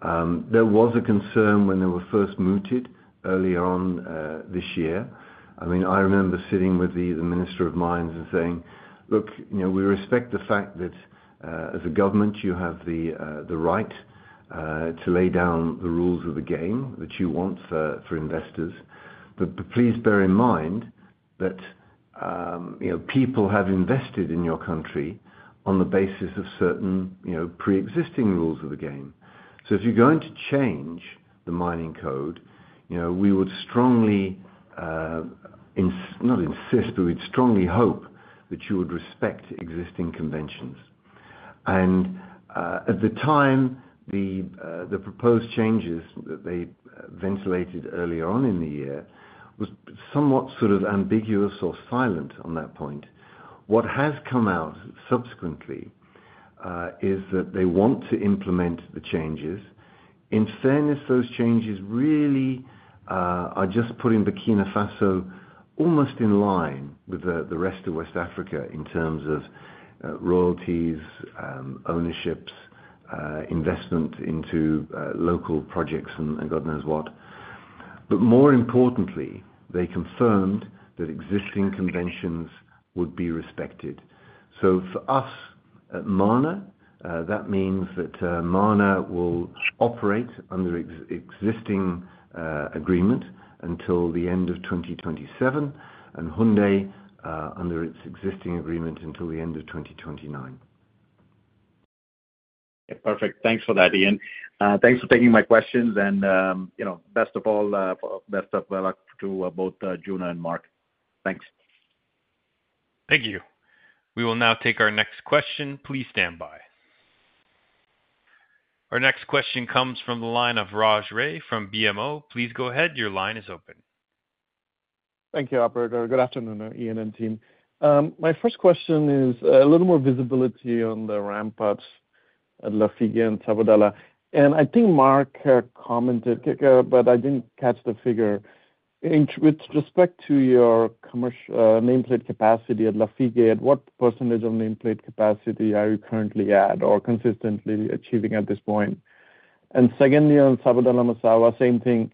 C: There was a concern when they were first mooted early on this year. I mean, I remember sitting with the Minister of Mines and saying: Look, you know, we respect the fact that as a government, you have the right to lay down the rules of the game that you want for investors. But please bear in mind that you know, people have invested in your country on the basis of certain you know, preexisting rules of the game. So if you're going to change the mining code, you know, we would strongly not insist, but we'd strongly hope that you would respect existing conventions. And at the time, the proposed changes that they ventilated early on in the year was somewhat sort of ambiguous or silent on that point. What has come out subsequently is that they want to implement the changes. In fairness, those changes really are just putting Burkina Faso almost in line with the rest of West Africa in terms of royalties, ownerships, investment into local projects, and God knows what. But more importantly, they confirmed that existing conventions would be respected. For us at Mana, that means that Mana will operate under existing agreement until the end of 2027, and Houndé under its existing agreement until the end of 2029.
F: Perfect. Thanks for that, Ian. Thanks for taking my questions and, you know, best of all, best of luck to both Jono and Mark. Thanks.
A: Thank you. We will now take our next question. Please stand by. Our next question comes from the line of Raj Ray from BMO. Please go ahead. Your line is open.
H: Thank you, operator. Good afternoon, Ian and team. My first question is, a little more visibility on the ramp-ups at Lafigué and Sabodala-Massawa. I think Mark commented, but I didn't catch the figure. In with respect to your commercial nameplate capacity at Lafigué, at what percentage of nameplate capacity are you currently at, or consistently achieving at this point? And secondly, on Sabodala-Massawa, same thing,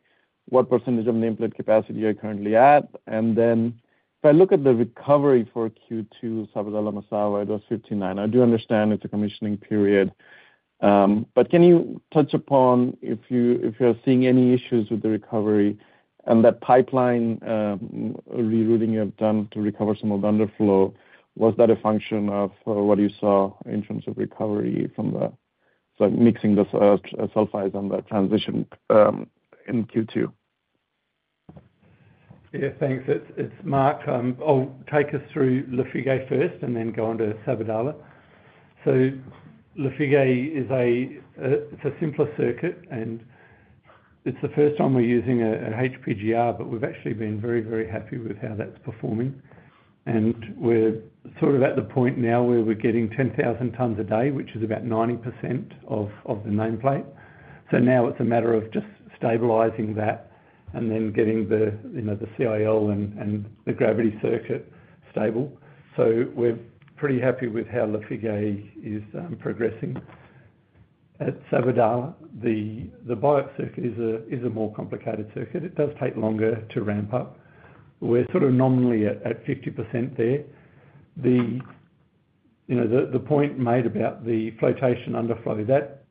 H: what percentage of nameplate capacity are you currently at? And then if I look at the recovery for Q2, Sabodala-Massawa, it was 59%. I do understand it's a commissioning period, but can you touch upon if you, if you're seeing any issues with the recovery and that pipeline rerouting you have done to recover some of the underflow? Was that a function of what you saw in terms of recovery from the, like, mixing the sulfides on that transition in Q2?
E: Yeah, thanks. It's, it's Mark. I'll take us through Lafigué first and then go on to Sabodala. So Lafigué is a, it's a simpler circuit, and it's the first time we're using a, an HPGR, but we've actually been very, very happy with how that's performing. And we're sort of at the point now where we're getting 10,000 tons a day, which is about 90% of, of the nameplate. So now it's a matter of just stabilizing that and then getting the, you know, the CIL and, and the gravity circuit stable. So we're pretty happy with how Lafigué is progressing. At Sabodala, the, the BIOX circuit is a, is a more complicated circuit. It does take longer to ramp up. We're sort of nominally at, at 50% there. You know, the point made about the flotation underflow, that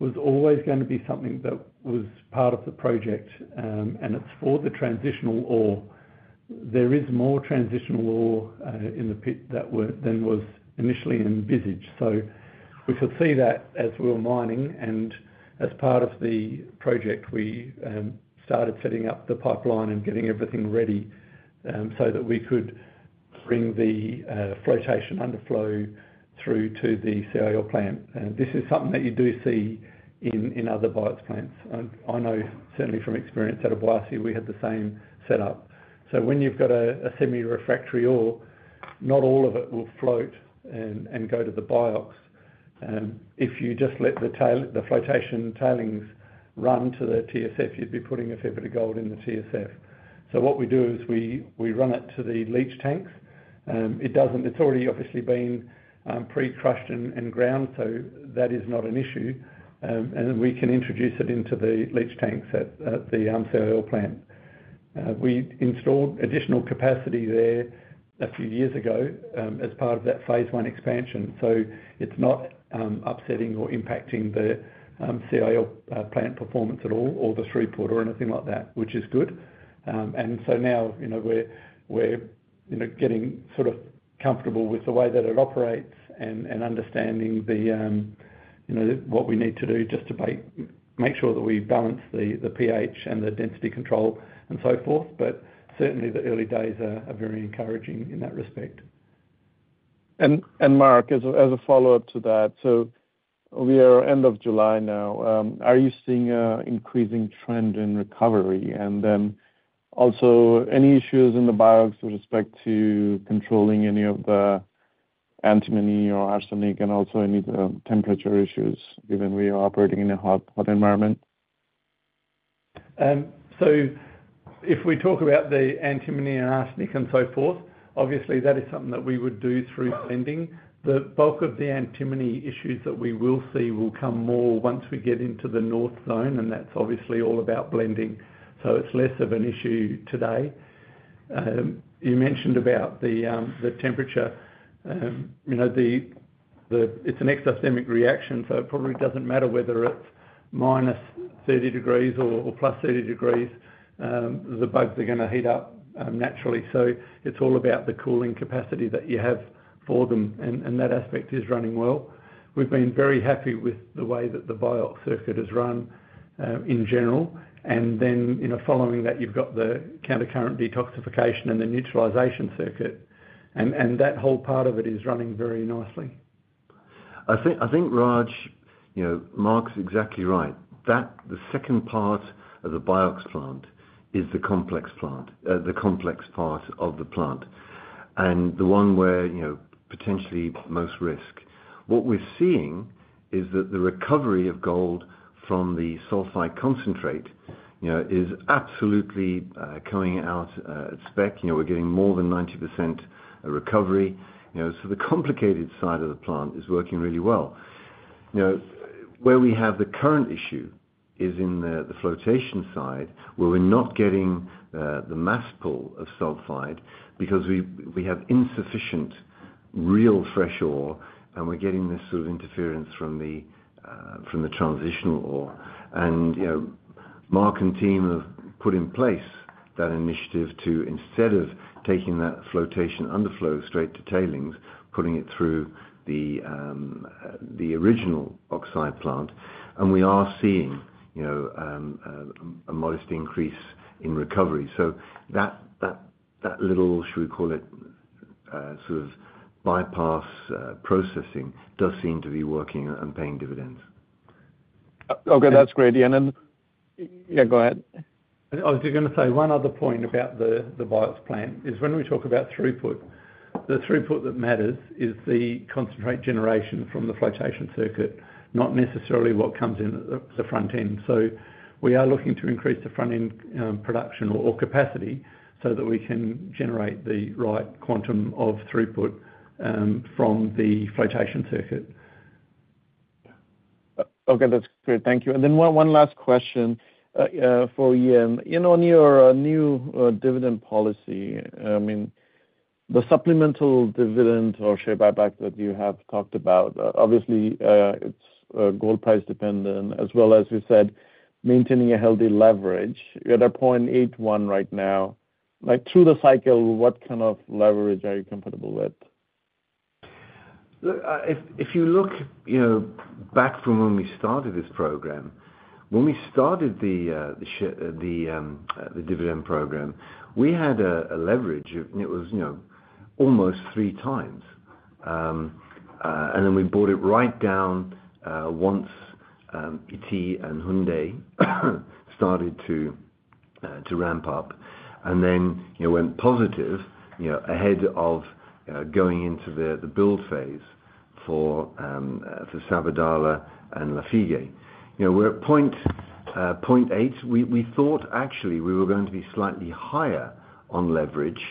E: was always gonna be something that was part of the project, and it's for the transitional ore. There is more transitional ore in the pit than was initially envisaged. So we could see that as we were mining, and as part of the project, we started setting up the pipeline and getting everything ready, so that we could bring the flotation underflow through to the CIL plant. And this is something that you do see in other BIOX plants. I know certainly from experience out of Wasi, we had the same setup. So when you've got a semi-refractory ore, not all of it will float and go to the BIOX. If you just let the flotation tailings run to the TSF, you'd be putting a fair bit of gold in the TSF. So what we do is we run it to the leach tanks. It's already obviously been pre-crushed and ground, so that is not an issue, and we can introduce it into the leach tanks at the CIL plant. We installed additional capacity there a few years ago, as part of that phase one expansion, so it's not upsetting or impacting the CIL plant performance at all, or the throughput or anything like that, which is good. And so now, you know, we're getting sort of comfortable with the way that it operates and understanding the, you know, what we need to do just to make sure that we balance the pH and the density control and so forth. But certainly, the early days are very encouraging in that respect.
H: Mark, as a follow-up to that, so we are at the end of July now. Are you seeing an increasing trend in recovery? And then also, any issues in the BIOX with respect to controlling any of the antimony or arsenic, and also any temperature issues, given we are operating in a hot, hot environment?
E: So if we talk about the antimony and arsenic and so forth, obviously that is something that we would do through blending. The bulk of the antimony issues that we will see will come more once we get into the north zone, and that's obviously all about blending. So it's less of an issue today. You mentioned about the temperature. You know, it's an exothermic reaction, so it probably doesn't matter whether it's minus 30 degrees or plus 30 degrees, the bugs are gonna heat up naturally. So it's all about the cooling capacity that you have for them, and that aspect is running well. We've been very happy with the way that the BIOX circuit has run in general. And then, you know, following that, you've got the countercurrent detoxification and the neutralization circuit, and that whole part of it is running very nicely.
C: I think, Raj, you know, Mark's exactly right. That the second part of the BIOX plant is the complex plant, the complex part of the plant, and the one where, you know, potentially most risk. What we're seeing is that the recovery of gold from the sulfide concentrate, you know, is absolutely coming out at spec. You know, we're getting more than 90% recovery. You know, so the complicated side of the plant is working really well. You know, where we have the current issue is in the flotation side, where we're not getting the mass pull of sulfide because we have insufficient real fresh ore, and we're getting this sort of interference from the transitional ore. You know, Mark and team have put in place that initiative to, instead of taking that flotation underflow straight to tailings, putting it through the original oxide plant, and we are seeing, you know, a modest increase in recovery. So that little, should we call it, sort of bypass processing does seem to be working and paying dividends.
H: Okay, that's great, Ian. Yeah, go ahead.
E: I was just gonna say, one other point about the BIOX plan is when we talk about throughput, the throughput that matters is the concentrate generation from the flotation circuit, not necessarily what comes in at the front end. So we are looking to increase the front end production or capacity so that we can generate the right quantum of throughput from the flotation circuit.
H: Okay, that's great. Thank you. And then one last question for Ian. You know, on your new dividend policy, I mean, the supplemental dividend or share buyback that you have talked about, 7, it's gold price dependent as well as you said, maintaining a healthy leverage. You're at 0.81 right now. Like, through the cycle, what kind of leverage are you comfortable with?
C: Look, if you look, you know, back from when we started this program, when we started the dividend program, we had a leverage of... It was, you know, almost 3x. And then we brought it right down, once Ity and Houndé started to ramp up, and then it went positive, you know, ahead of going into the build phase for Sabodala and Lafigué. You know, we're at 0.8. We thought actually we were going to be slightly higher on leverage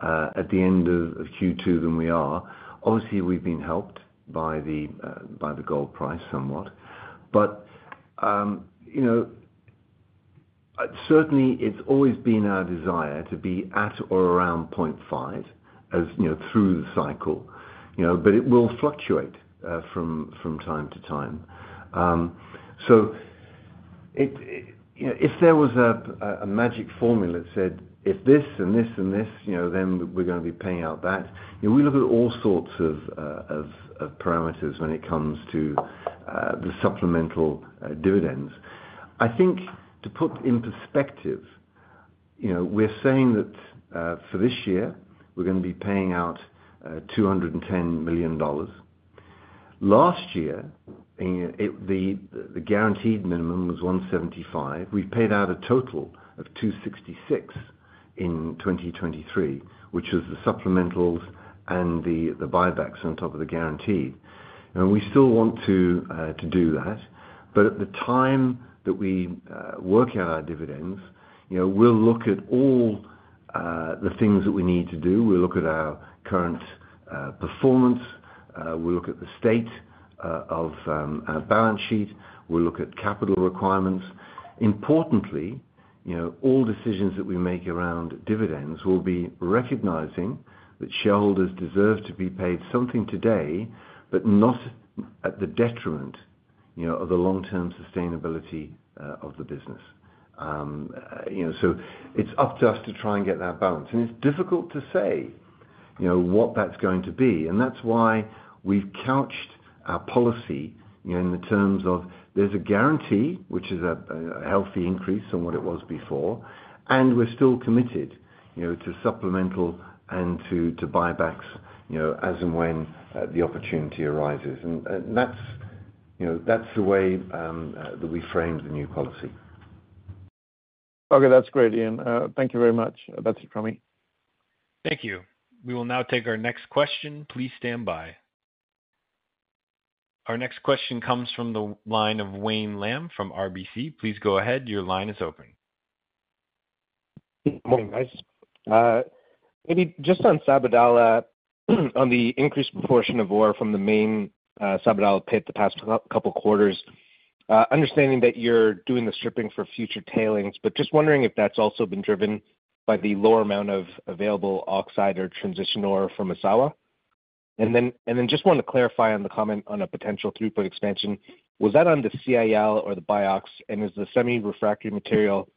C: at the end of Q2 than we are. Obviously, we've been helped by the gold price somewhat. But, you know, certainly it's always been our desire to be at or around 0.5, as you know, through the cycle, you know, but it will fluctuate from time to time. You know, if there was a magic formula that said, if this and this and this, you know, then we're gonna be paying out that, you know, we look at all sorts of of parameters when it comes to the supplemental dividends. I think to put in perspective, you know, we're saying that for this year, we're gonna be paying out $210 million. Last year, the guaranteed minimum was $175. We've paid out a total of $266 million in 2023, which is the supplementals and the buybacks on top of the guarantee. We still want to do that, but at the time that we work out our dividends, you know, we'll look at all the things that we need to do. We'll look at our current performance, we'll look at the state of our balance sheet. We'll look at capital requirements. Importantly, you know, all decisions that we make around dividends will be recognizing that shareholders deserve to be paid something today, but not at the detriment, you know, of the long-term sustainability of the business. You know, so it's up to us to try and get that balance. It's difficult to say, you know, what that's going to be, and that's why we've couched our policy, you know, in the terms of there's a guarantee, which is a healthy increase from what it was before, and we're still committed, you know, to supplemental and to buybacks, you know, as and when the opportunity arises, and that's, you know, that's the way that we framed the new policy.
H: Okay, that's great, Ian. Thank you very much. That's it from me.
A: Thank you. We will now take our next question. Please stand by. Our next question comes from the line of Wayne Lam, from RBC. Please go ahead. Your line is open.
I: Morning, guys. Maybe just on Sabodala, on the increased proportion of ore from the main Sabodala pit the past couple quarters, understanding that you're doing the stripping for future tailings, but just wondering if that's also been driven by the lower amount of available oxide or transition ore from Massawa. And then just wanted to clarify on the comment on a potential throughput expansion. Was that on the CIL or the BIOX? And is the semi-refractory material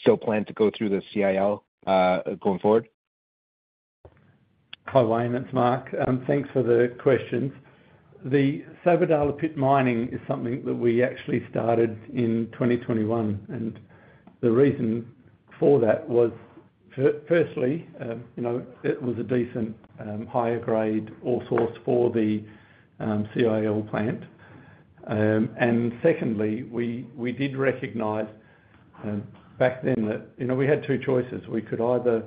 I: still planned to go through the CIL going forward?
E: Hi, Wayne, it's Mark. Thanks for the questions. The Sabodala pit mining is something that we actually started in 2021, and the reason for that was firstly, you know, it was a decent higher grade ore source for the CIL plant. And secondly, we did recognize back then that, you know, we had two choices. We could either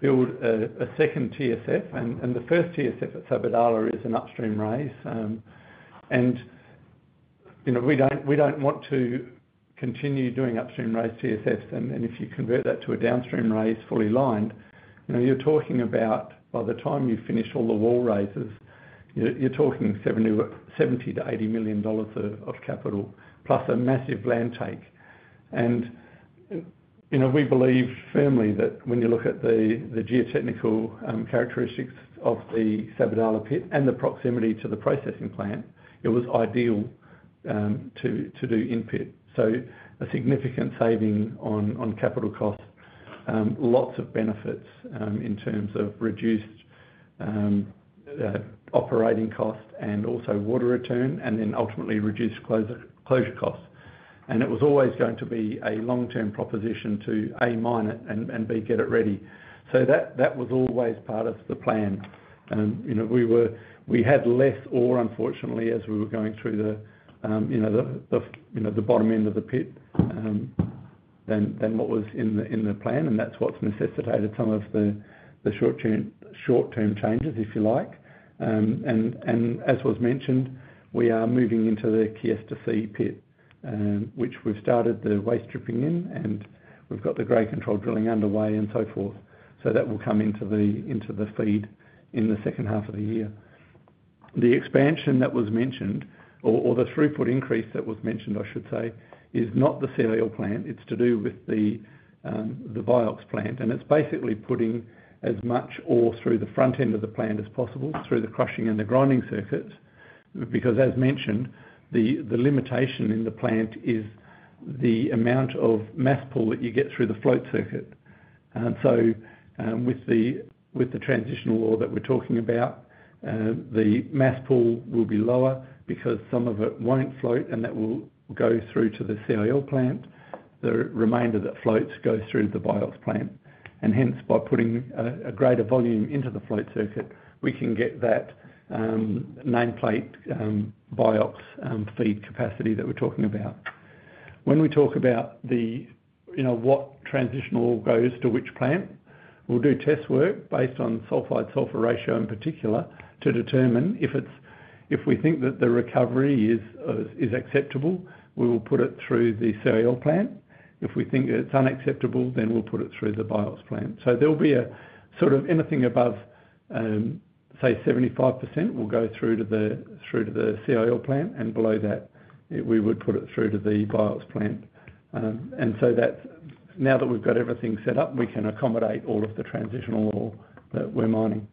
E: build a second TSF, and the first TSF at Sabodala is an upstream raise, and-... you know, we don't want to continue doing upstream raise TSF, and if you convert that to a downstream raise, fully lined, you know, you're talking about by the time you finish all the wall raises, you're talking $70 million-$80 million of capital, plus a massive land take. And, you know, we believe firmly that when you look at the geotechnical characteristics of the Sabodala pit and the proximity to the processing plant, it was ideal to do in-pit. So a significant saving on capital costs, lots of benefits in terms of reduced operating costs and also water return, and then ultimately, reduced closure costs. And it was always going to be a long-term proposition to, A, mine it and, B, get it ready. So that was always part of the plan. You know, we were—we had less ore, unfortunately, as we were going through the, you know, the bottom end of the pit, than what was in the plan, and that's what's necessitated some of the short-term changes, if you like. And as was mentioned, we are moving into the Kiesta C pit, which we've started the waste stripping in, and we've got the grade control drilling underway and so forth. So that will come into the feed in the second half of the year. The expansion that was mentioned, or the 3-foot increase that was mentioned, I should say, is not the CIL plant. It's to do with the, the BIOX plant, and it's basically putting as much ore through the front end of the plant as possible, through the crushing and the grinding circuit. Because, as mentioned, the, the limitation in the plant is the amount of mass pull that you get through the float circuit. And so, with the, with the transitional ore that we're talking about, the mass pull will be lower because some of it won't float, and that will go through to the CIL plant. The remainder that floats goes through the BIOX plant, and hence, by putting, a greater volume into the float circuit, we can get that, nameplate, BIOX, feed capacity that we're talking about. When we talk about the, you know, what transitional ore goes to which plant, we'll do test work based on sulfide-sulfur ratio, in particular, to determine if it's—if we think that the recovery is acceptable, we will put it through the CIL plant. If we think it's unacceptable, then we'll put it through the BIOX plant. So there'll be a sort of anything above, say, 75% will go through to the, through to the CIL plant, and below that, we would put it through to the BIOX plant. And so that's—now that we've got everything set up, we can accommodate all of the transitional ore that we're mining.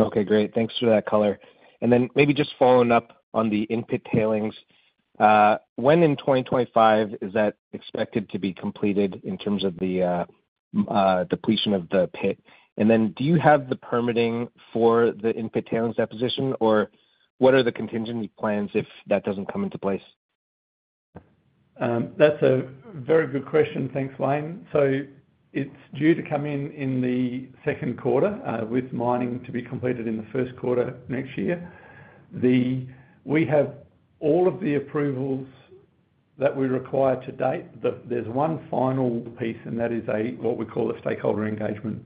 I: Okay, great. Thanks for that color. And then maybe just following up on the in-pit tailings. When in 2025 is that expected to be completed in terms of the depletion of the pit? And then, do you have the permitting for the in-pit tailings deposition, or what are the contingency plans if that doesn't come into place? That's a very good question. Thanks, Wayne. So it's due to come in in the Q2, with mining to be completed in the first quarter next year. We have all of the approvals that we require to date, but there's one final piece, and that is a, what we call a stakeholder engagement,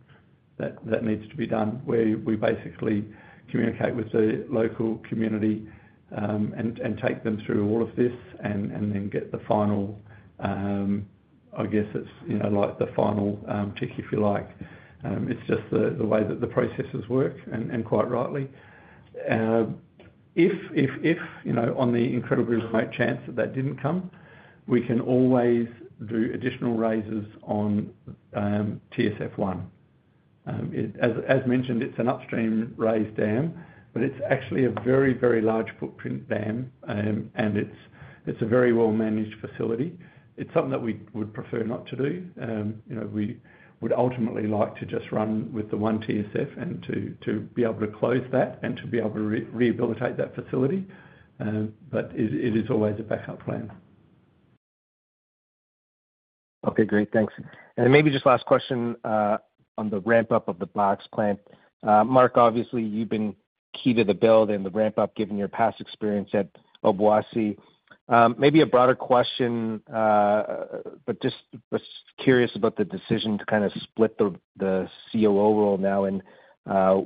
I: that needs to be done, where we basically communicate with the local community, and take them through all of this and then get the final, I guess it's, you know, like, the final tick, if you like. It's just the way that the processes work, and quite rightly. If you know, on the incredibly remote chance that that didn't come, we can always do additional raises on TSF1. As mentioned, it's an upstream raised dam, but it's actually a very, very large footprint dam. It's a very well-managed facility. It's something that we would prefer not to do. You know, we would ultimately like to just run with the one TSF and to be able to close that and to be able to rehabilitate that facility, but it is always a backup plan. Okay, great, thanks. Maybe just last question on the ramp-up of the BIOX plant. Mark, obviously, you've been key to the build and the ramp-up given your past experience at Obuasi. Maybe a broader question, but just was curious about the decision to kind of split the COO role now, and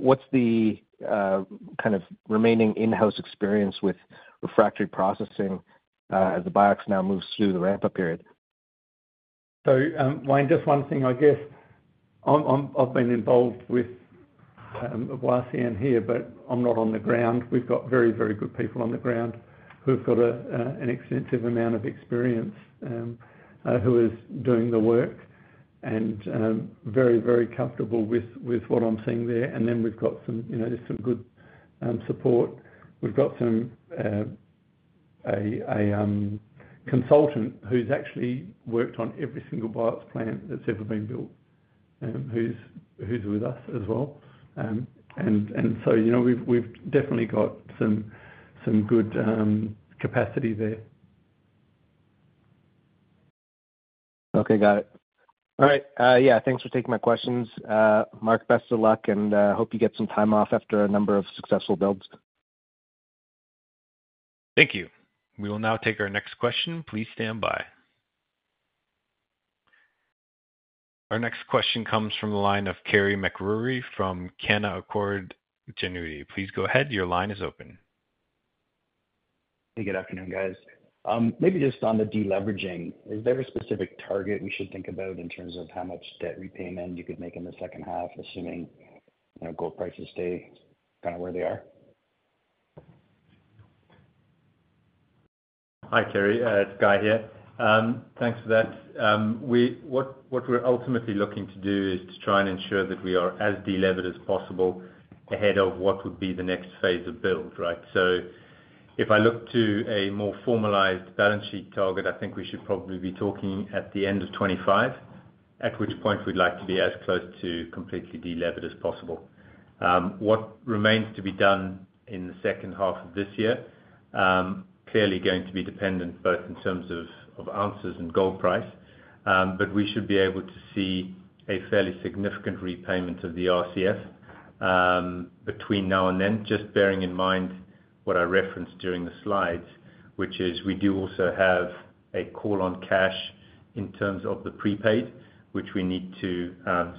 I: what's the kind of remaining in-house experience with refractory processing as the BIOX now moves through the ramp-up period? So, Wayne, just one thing, I guess. I've been involved with Obuasi and here, but I'm not on the ground. We've got very, very good people on the ground who've got an extensive amount of experience who is doing the work, and very, very comfortable with what I'm seeing there. And then we've got some, you know, just some good support. We've got some consultant who's actually worked on every single BIOX plant that's ever been built, who's with us as well. And so, you know, we've definitely got some good capacity there. Okay, got it. All right, yeah, thanks for taking my questions. Mark, best of luck and hope you get some time off after a number of successful builds.
A: Thank you. We will now take our next question. Please stand by.... Our next question comes from the line of Carey MacRury from Canaccord Genuity. Please go ahead. Your line is open.
J: Hey, good afternoon, guys. Maybe just on the deleveraging, is there a specific target we should think about in terms of how much debt repayment you could make in the second half, assuming, you know, gold prices stay kind of where they are?
D: Hi, Carey. It's Guy here. Thanks for that. What we're ultimately looking to do is to try and ensure that we are as delevered as possible ahead of what would be the next phase of build, right? So if I look to a more formalized balance sheet target, I think we should probably be talking at the end of 2025, at which point we'd like to be as close to completely delevered as possible. What remains to be done in the second half of this year clearly going to be dependent both in terms of ounces and gold price. But we should be able to see a fairly significant repayment of the RCF, between now and then, just bearing in mind what I referenced during the slides, which is we do also have a call on cash in terms of the prepaid, which we need to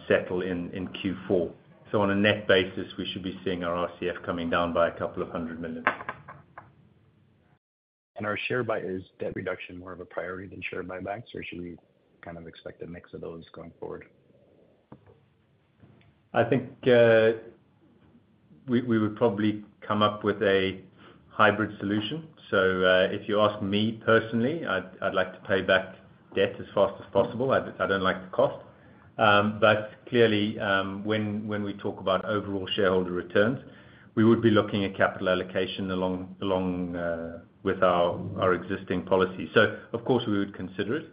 D: settle in Q4. So on a net basis, we should be seeing our RCF coming down by $200 million. Our share buy, is debt reduction more of a priority than share buybacks, or should we kind of expect a mix of those going forward? I think, we would probably come up with a hybrid solution. So, if you ask me personally, I'd like to pay back debt as fast as possible. I don't like the cost. But clearly, when we talk about overall shareholder returns, we would be looking at capital allocation along with our existing policy. So of course, we would consider it.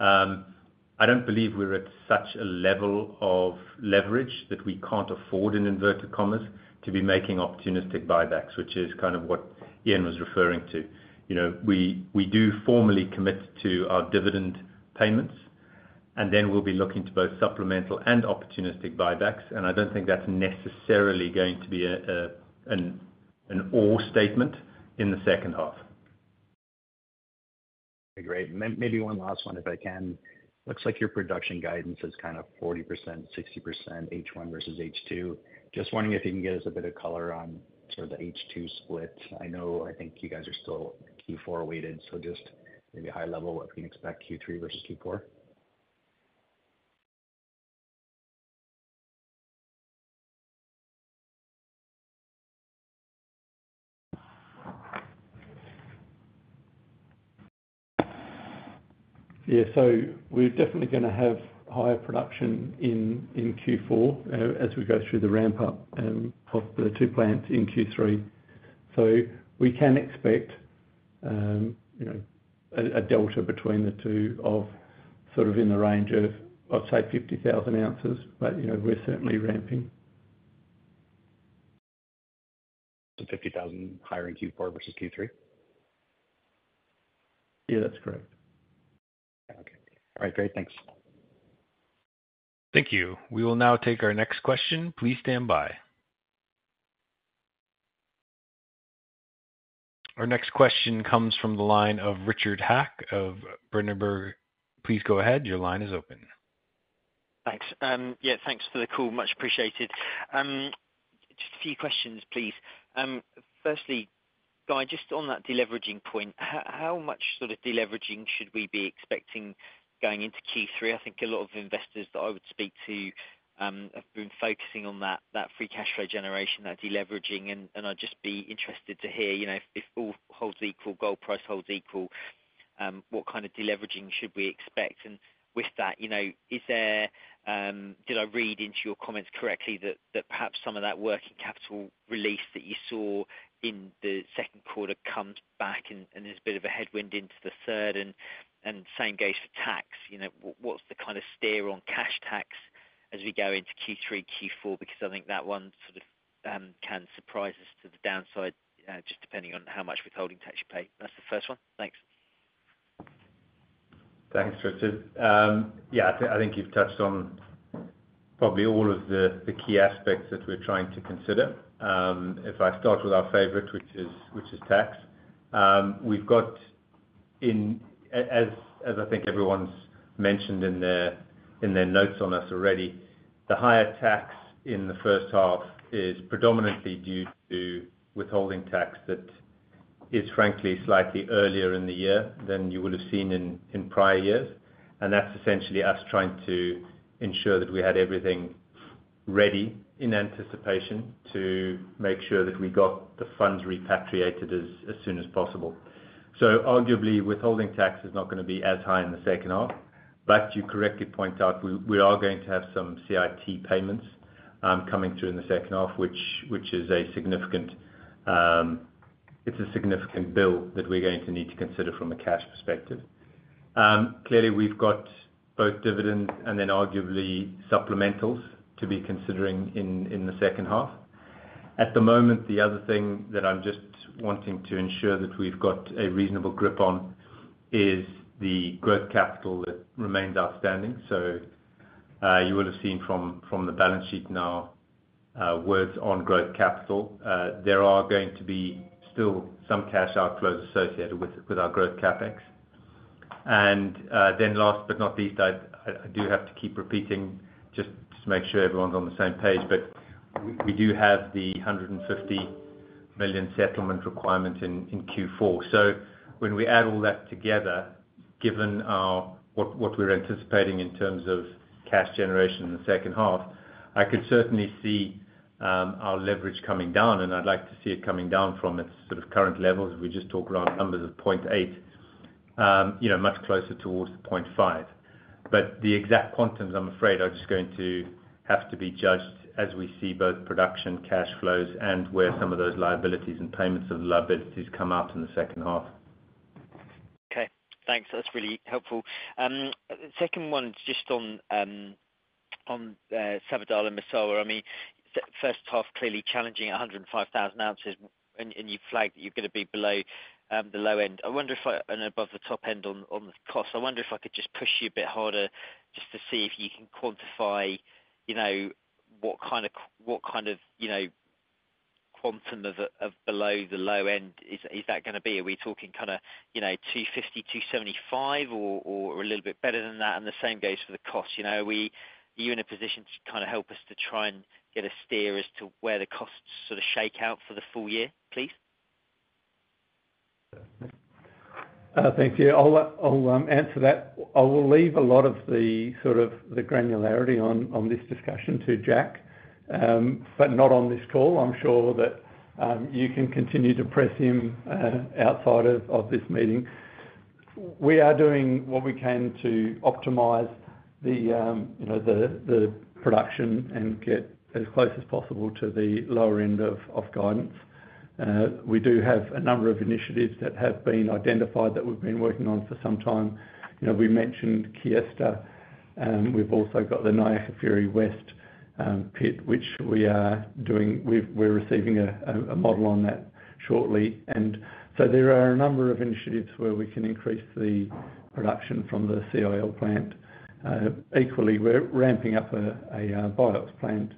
D: I don't believe we're at such a level of leverage that we can't afford, in inverted commas, to be making opportunistic buybacks, which is kind of what Ian was referring to. You know, we do formally commit to our dividend payments, and then we'll be looking to both supplemental and opportunistic buybacks, and I don't think that's necessarily going to be an all statement in the second half.
J: Great. Maybe one last one, if I can. Looks like your production guidance is kind of 40%, 60%, H1 versus H2. Just wondering if you can give us a bit of color on sort of the H2 split. I know, I think you guys are still Q4 weighted, so just maybe high level, what we can expect, Q3 versus Q4.
E: Yeah, so we're definitely gonna have higher production in Q4 as we go through the ramp up of the two plants in Q3. So we can expect, you know, a delta between the two of sort of in the range of, I'd say 50,000 ounces. But, you know, we're certainly ramping.
J: 50,000 higher in Q4 versus Q3?
E: Yeah, that's correct.
J: Okay. All right, great. Thanks.
A: Thank you. We will now take our next question. Please stand by. Our next question comes from the line of Richard Hatch of Berenberg. Please go ahead. Your line is open.
K: Thanks. Yeah, thanks for the call, much appreciated. Just a few questions, please. Firstly, Guy, just on that deleveraging point, how much sort of deleveraging should we be expecting going into Q3? I think a lot of investors that I would speak to have been focusing on that free cash flow generation, that deleveraging, and I'd just be interested to hear, you know, if all holds equal, gold price holds equal, what kind of deleveraging should we expect? And with that, you know, is there... Did I read into your comments correctly, that perhaps some of that working capital release that you saw in the Q2 comes back and there's a bit of a headwind into the third, and same goes for tax. You know, what's the kind of steer on cash tax as we go into Q3, Q4? Because I think that one sort of can surprise us to the downside, just depending on how much withholding tax you pay. That's the first one. Thanks.
D: Thanks, Richard. Yeah, I think you've touched on probably all of the key aspects that we're trying to consider. If I start with our favorite, which is tax, we've got, as I think everyone's mentioned in their notes on us already, the higher tax in the first half is predominantly due to withholding tax that is frankly slightly earlier in the year than you would have seen in prior years. And that's essentially us trying to ensure that we had everything ready in anticipation to make sure that we got the funds repatriated as soon as possible. So arguably, withholding tax is not gonna be as high in the second half, but you correctly point out, we, we are going to have some CIT payments, coming through in the second half, which, which is a significant, it's a significant bill that we're going to need to consider from a cash perspective. Clearly, we've got both dividends and then arguably supplementals to be considering in, in the second half. At the moment, the other thing that I'm just wanting to ensure that we've got a reasonable grip on, is the growth capital that remains outstanding. So, you would have seen from, from the balance sheet now-... words on growth capital. There are going to be still some cash outflows associated with, with our growth CapEx. And, then last but not least, I, I do have to keep repeating just, just to make sure everyone's on the same page, but we, we do have the $150 million settlement requirement in, in Q4. So when we add all that together, given our, what, what we're anticipating in terms of cash generation in the second half, I could certainly see, our leverage coming down, and I'd like to see it coming down from its sort of current levels. We just talked around numbers of 0.8, you know, much closer towards 0.5. But the exact quantums, I'm afraid, are just going to have to be judged as we see both production, cash flows, and where some of those liabilities and payments of the liabilities come out in the second half.
K: Okay, thanks. That's really helpful. Second one is just on Sabodala-Massawa. I mean, first half, clearly challenging 105,000 ounces, and you flagged that you're gonna be below the low end. I wonder if I... And above the top end on the cost. I wonder if I could just push you a bit harder just to see if you can quantify, you know, what kind of, what kind of, you know, quantum of below the low end is, is that gonna be? Are we talking kind of, you know, 250, 275, or a little bit better than that? And the same goes for the cost. You know, are you in a position to kind of help us to try and get a steer as to where the costs sort of shake out for the full year, please?
E: Thank you. I'll answer that. I will leave a lot of the sort of the granularity on this discussion to Jack, but not on this call. I'm sure that you can continue to press him outside of this meeting. We are doing what we can to optimize the you know the production and get as close as possible to the lower end of guidance. We do have a number of initiatives that have been identified that we've been working on for some time. You know, we mentioned Kiesta, and we've also got the Niakafiri West pit, which we are doing. We're receiving a model on that shortly. And so there are a number of initiatives where we can increase the production from the CIL plant. Equally, we're ramping up a BIOX plant.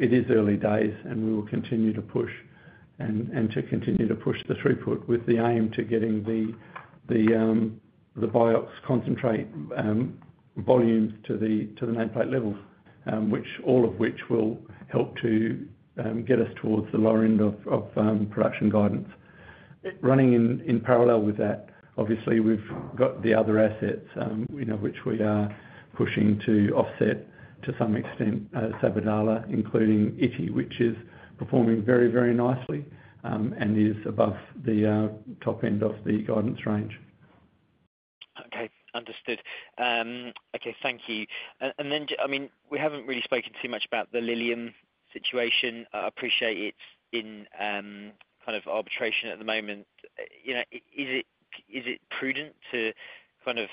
E: It is early days, and we will continue to push and to continue to push the throughput with the aim to getting the BIOX concentrate volumes to the nameplate levels, all of which will help to get us towards the lower end of production guidance. Running in parallel with that, obviously, we've got the other assets, you know, which we are pushing to offset to some extent Sabodala, including Ity, which is performing very, very nicely, and is above the top end of the guidance range.
K: Okay, understood. Okay, thank you. And then, I mean, we haven't really spoken too much about the Lilium situation. I appreciate it's in kind of arbitration at the moment. You know, is it prudent to kind of,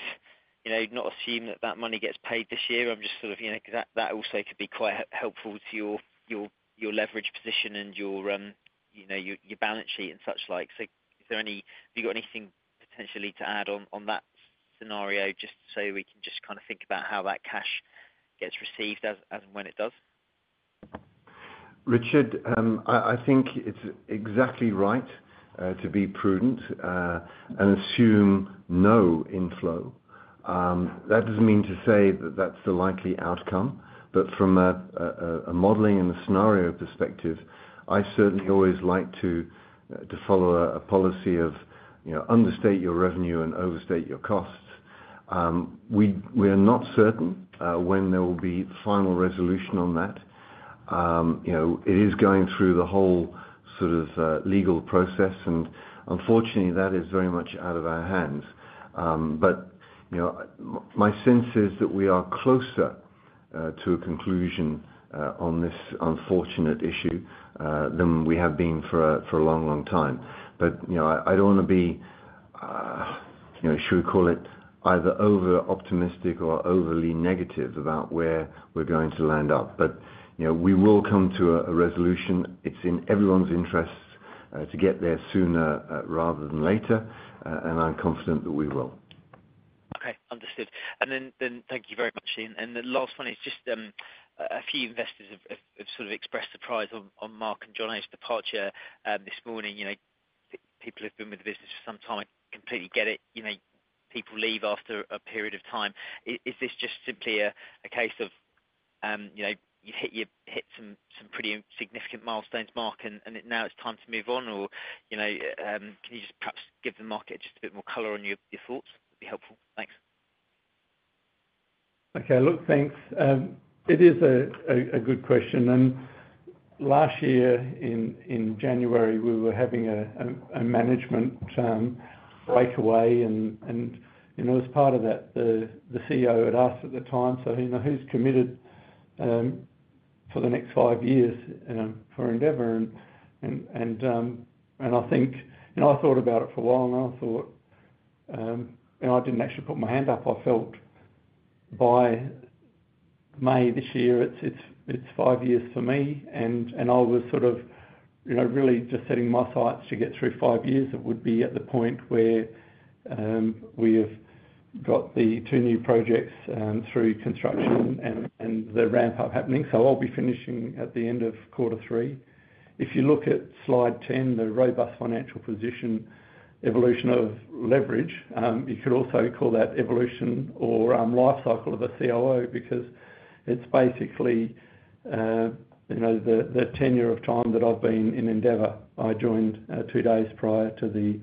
K: you know, not assume that that money gets paid this year? I'm just sort of, you know, because that also could be quite helpful to your, your, your leverage position and your, you know, your balance sheet and such like. So have you got anything potentially to add on, on that scenario, just so we can just kind of think about how that cash gets received as, as and when it does?
C: Richard, I think it's exactly right to be prudent and assume no inflow. That doesn't mean to say that that's the likely outcome, but from a modeling and a scenario perspective, I certainly always like to follow a policy of, you know, understate your revenue and overstate your costs. We are not certain when there will be final resolution on that. You know, it is going through the whole sort of legal process, and unfortunately, that is very much out of our hands. But, you know, my sense is that we are closer to a conclusion on this unfortunate issue than we have been for a long, long time. But, you know, I don't want to be, you know, should we call it either over-optimistic or overly negative about where we're going to land up? But, you know, we will come to a resolution. It's in everyone's interests to get there sooner rather than later, and I'm confident that we will.
K: Okay, understood. And then thank you very much, Ian. And the last one is just a few investors have sort of expressed surprise on Mark and Jono's departure this morning. You know, people have been with the business for some time, completely get it. You know, people leave after a period of time. Is this just simply a case of you know, you hit some pretty significant milestones, Mark, and now it's time to move on? Or you know, can you just perhaps give the market just a bit more color on your thoughts? It'd be helpful. Thanks.
E: Okay. Look, thanks. It is a good question, and last year in January, we were having a management breakaway and, you know, as part of that, the CEO had asked at the time, so, you know, "Who's committed for the next five years for Endeavour?" And I thought about it for a while, and I thought. And I didn't actually put my hand up. I felt by May this year, it's five years for me, and I was sort of you know, really just setting my sights to get through five years, it would be at the point where we have got the two new projects through construction and the ramp up happening. So I'll be finishing at the end of quarter three. If you look at slide 10, the robust financial position, evolution of leverage, you could also call that evolution or, life cycle of a COO, because it's basically, you know, the tenure of time that I've been in Endeavour. I joined, two days prior to the,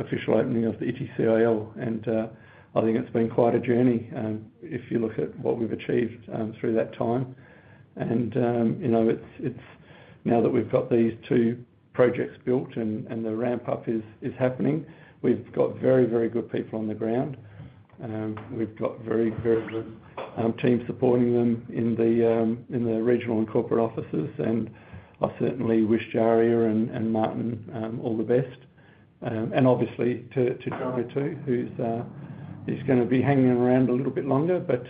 E: official opening of the Ity CIL, and, I think it's been quite a journey. If you look at what we've achieved, through that time and, you know, it's now that we've got these two projects built and, the ramp up is happening. We've got very, very good people on the ground, we've got very, very good, teams supporting them in the, in the regional and corporate offices. I certainly wish Djaria and Martin all the best, and obviously to Jono, too, who's, he's gonna be hanging around a little bit longer, but,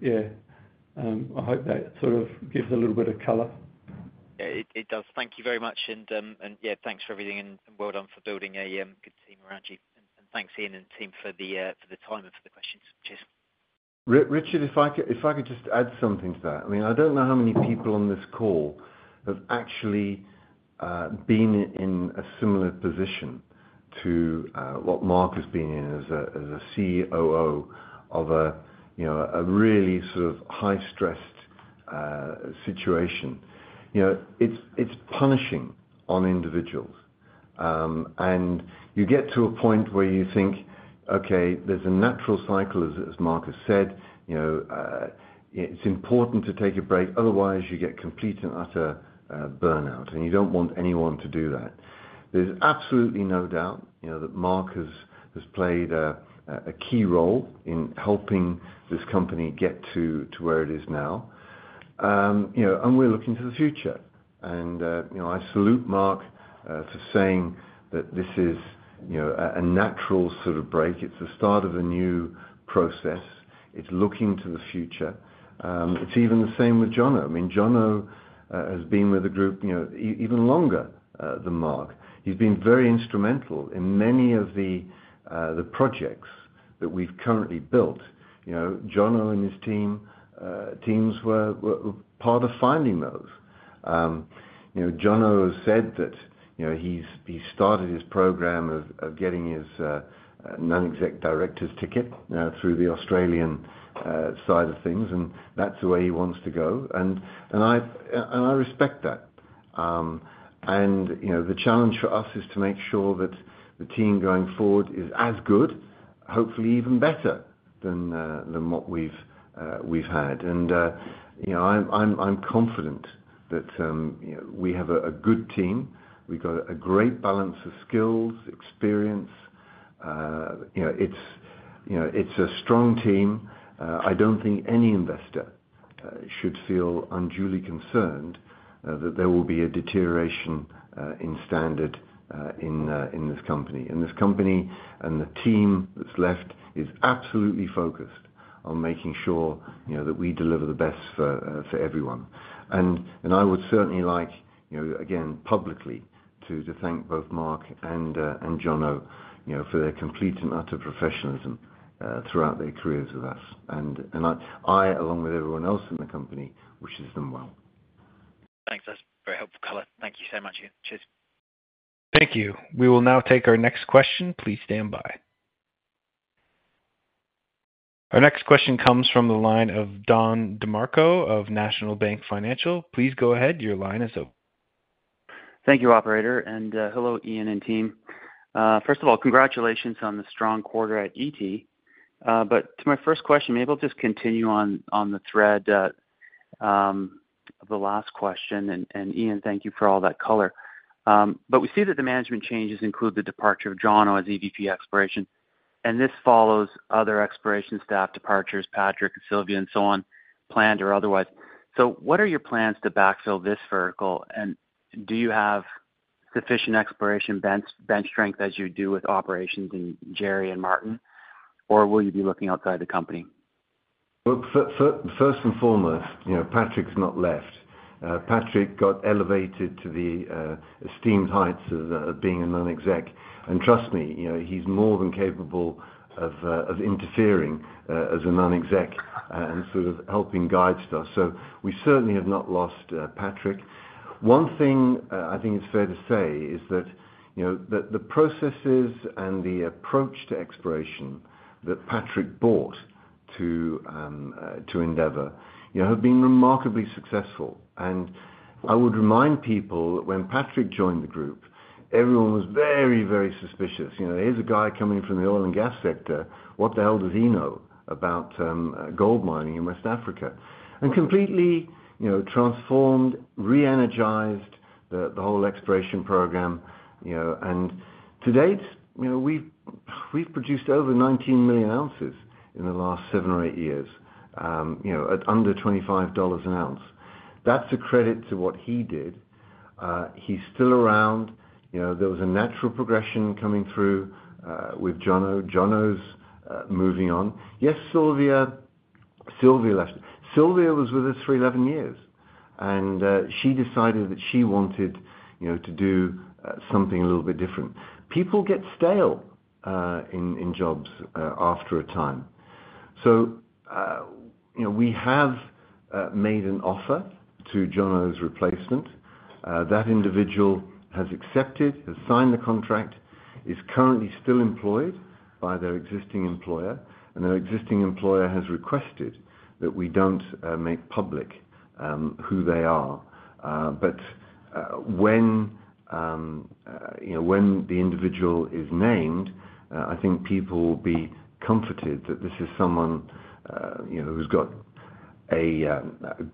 E: yeah, I hope that sort of gives a little bit of color.
K: Yeah, it does. Thank you very much, and yeah, thanks for everything and well done for building a good team around you. And thanks, Ian and team for the time and for the questions. Cheers.
C: Richard, if I could, if I could just add something to that. I mean, I don't know how many people on this call have actually been in a similar position to what Mark has been in as a COO of a, you know, a really sort of high-stressed situation. You know, it's punishing on individuals. And you get to a point where you think, okay, there's a natural cycle, as Mark has said, you know, it's important to take a break, otherwise you get complete and utter burnout, and you don't want anyone to do that. There's absolutely no doubt, you know, that Mark has played a key role in helping this company get to where it is now. You know, and we're looking to the future and, you know, I salute Mark for saying that this is, you know, a natural sort of break. It's the start of a new process. It's looking to the future. It's even the same with Jono. I mean, Jono has been with the group, you know, even longer than Mark. He's been very instrumental in many of the projects that we've currently built. You know, Jono and his team, teams were part of finding those. You know, Jono has said that, you know, he's started his program of getting his non-exec director's ticket through the Australian side of things, and that's the way he wants to go. And I respect that. You know, the challenge for us is to make sure that the team going forward is as good, hopefully even better than what we've had. You know, I'm confident that you know, we have a good team. We've got a great balance of skills, experience. You know, it's a strong team. I don't think any investor should feel unduly concerned that there will be a deterioration in standard in this company. This company and the team that's left is absolutely focused on making sure, you know, that we deliver the best for everyone. And I would certainly like, you know, again, publicly, to thank both Mark and Jono, you know, for their complete and utter professionalism throughout their careers with us. And I, along with everyone else in the company, wishes them well.
K: Thanks. That's very helpful color. Thank you so much, Ian. Cheers.
A: Thank you. We will now take our next question. Please stand by. Our next question comes from the line of Don DeMarco of National Bank Financial. Please go ahead. Your line is open.
L: Thank you, operator, and hello, Ian and team. First of all, congratulations on the strong quarter at ET. But to my first question, maybe I'll just continue on the thread of the last question, and Ian, thank you for all that color. But we see that the management changes include the departure of Jono as EVP Exploration, and this follows other exploration staff departures, Patrick, Sylvia, and so on, planned or otherwise. So what are your plans to backfill this vertical? And do you have sufficient exploration bench strength as you do with operations in Gerry and Martin, or will you be looking outside the company?
C: Well, first and foremost, you know, Patrick's not left. Patrick got elevated to the esteemed heights of being a non-exec. And trust me, you know, he's more than capable of interfering as a non-exec and sort of helping guide stuff. So we certainly have not lost Patrick. One thing I think it's fair to say is that, you know, the processes and the approach to exploration that Patrick brought to Endeavour, you know, have been remarkably successful. And I would remind people that when Patrick joined the group, everyone was very, very suspicious. You know, here's a guy coming from the oil and gas sector, what the hell does he know about gold mining in West Africa? Completely, you know, transformed, re-energized the whole exploration program, you know, and to date, you know, we've produced over 19 million ounces in the last seven or eight years, you know, at under $25 an ounce. That's a credit to what he did. He's still around. You know, there was a natural progression coming through with Jono. Jono's moving on. Yes, Sylvia left. Sylvia was with us for 11 years, and she decided that she wanted, you know, to do something a little bit different. People get stale in jobs after a time. So, you know, we have made an offer to Jono's replacement. That individual has accepted, has signed the contract, is currently still employed by their existing employer, and their existing employer has requested that we don't make public who they are. But when you know, when the individual is named, I think people will be comforted that this is someone you know, who's got a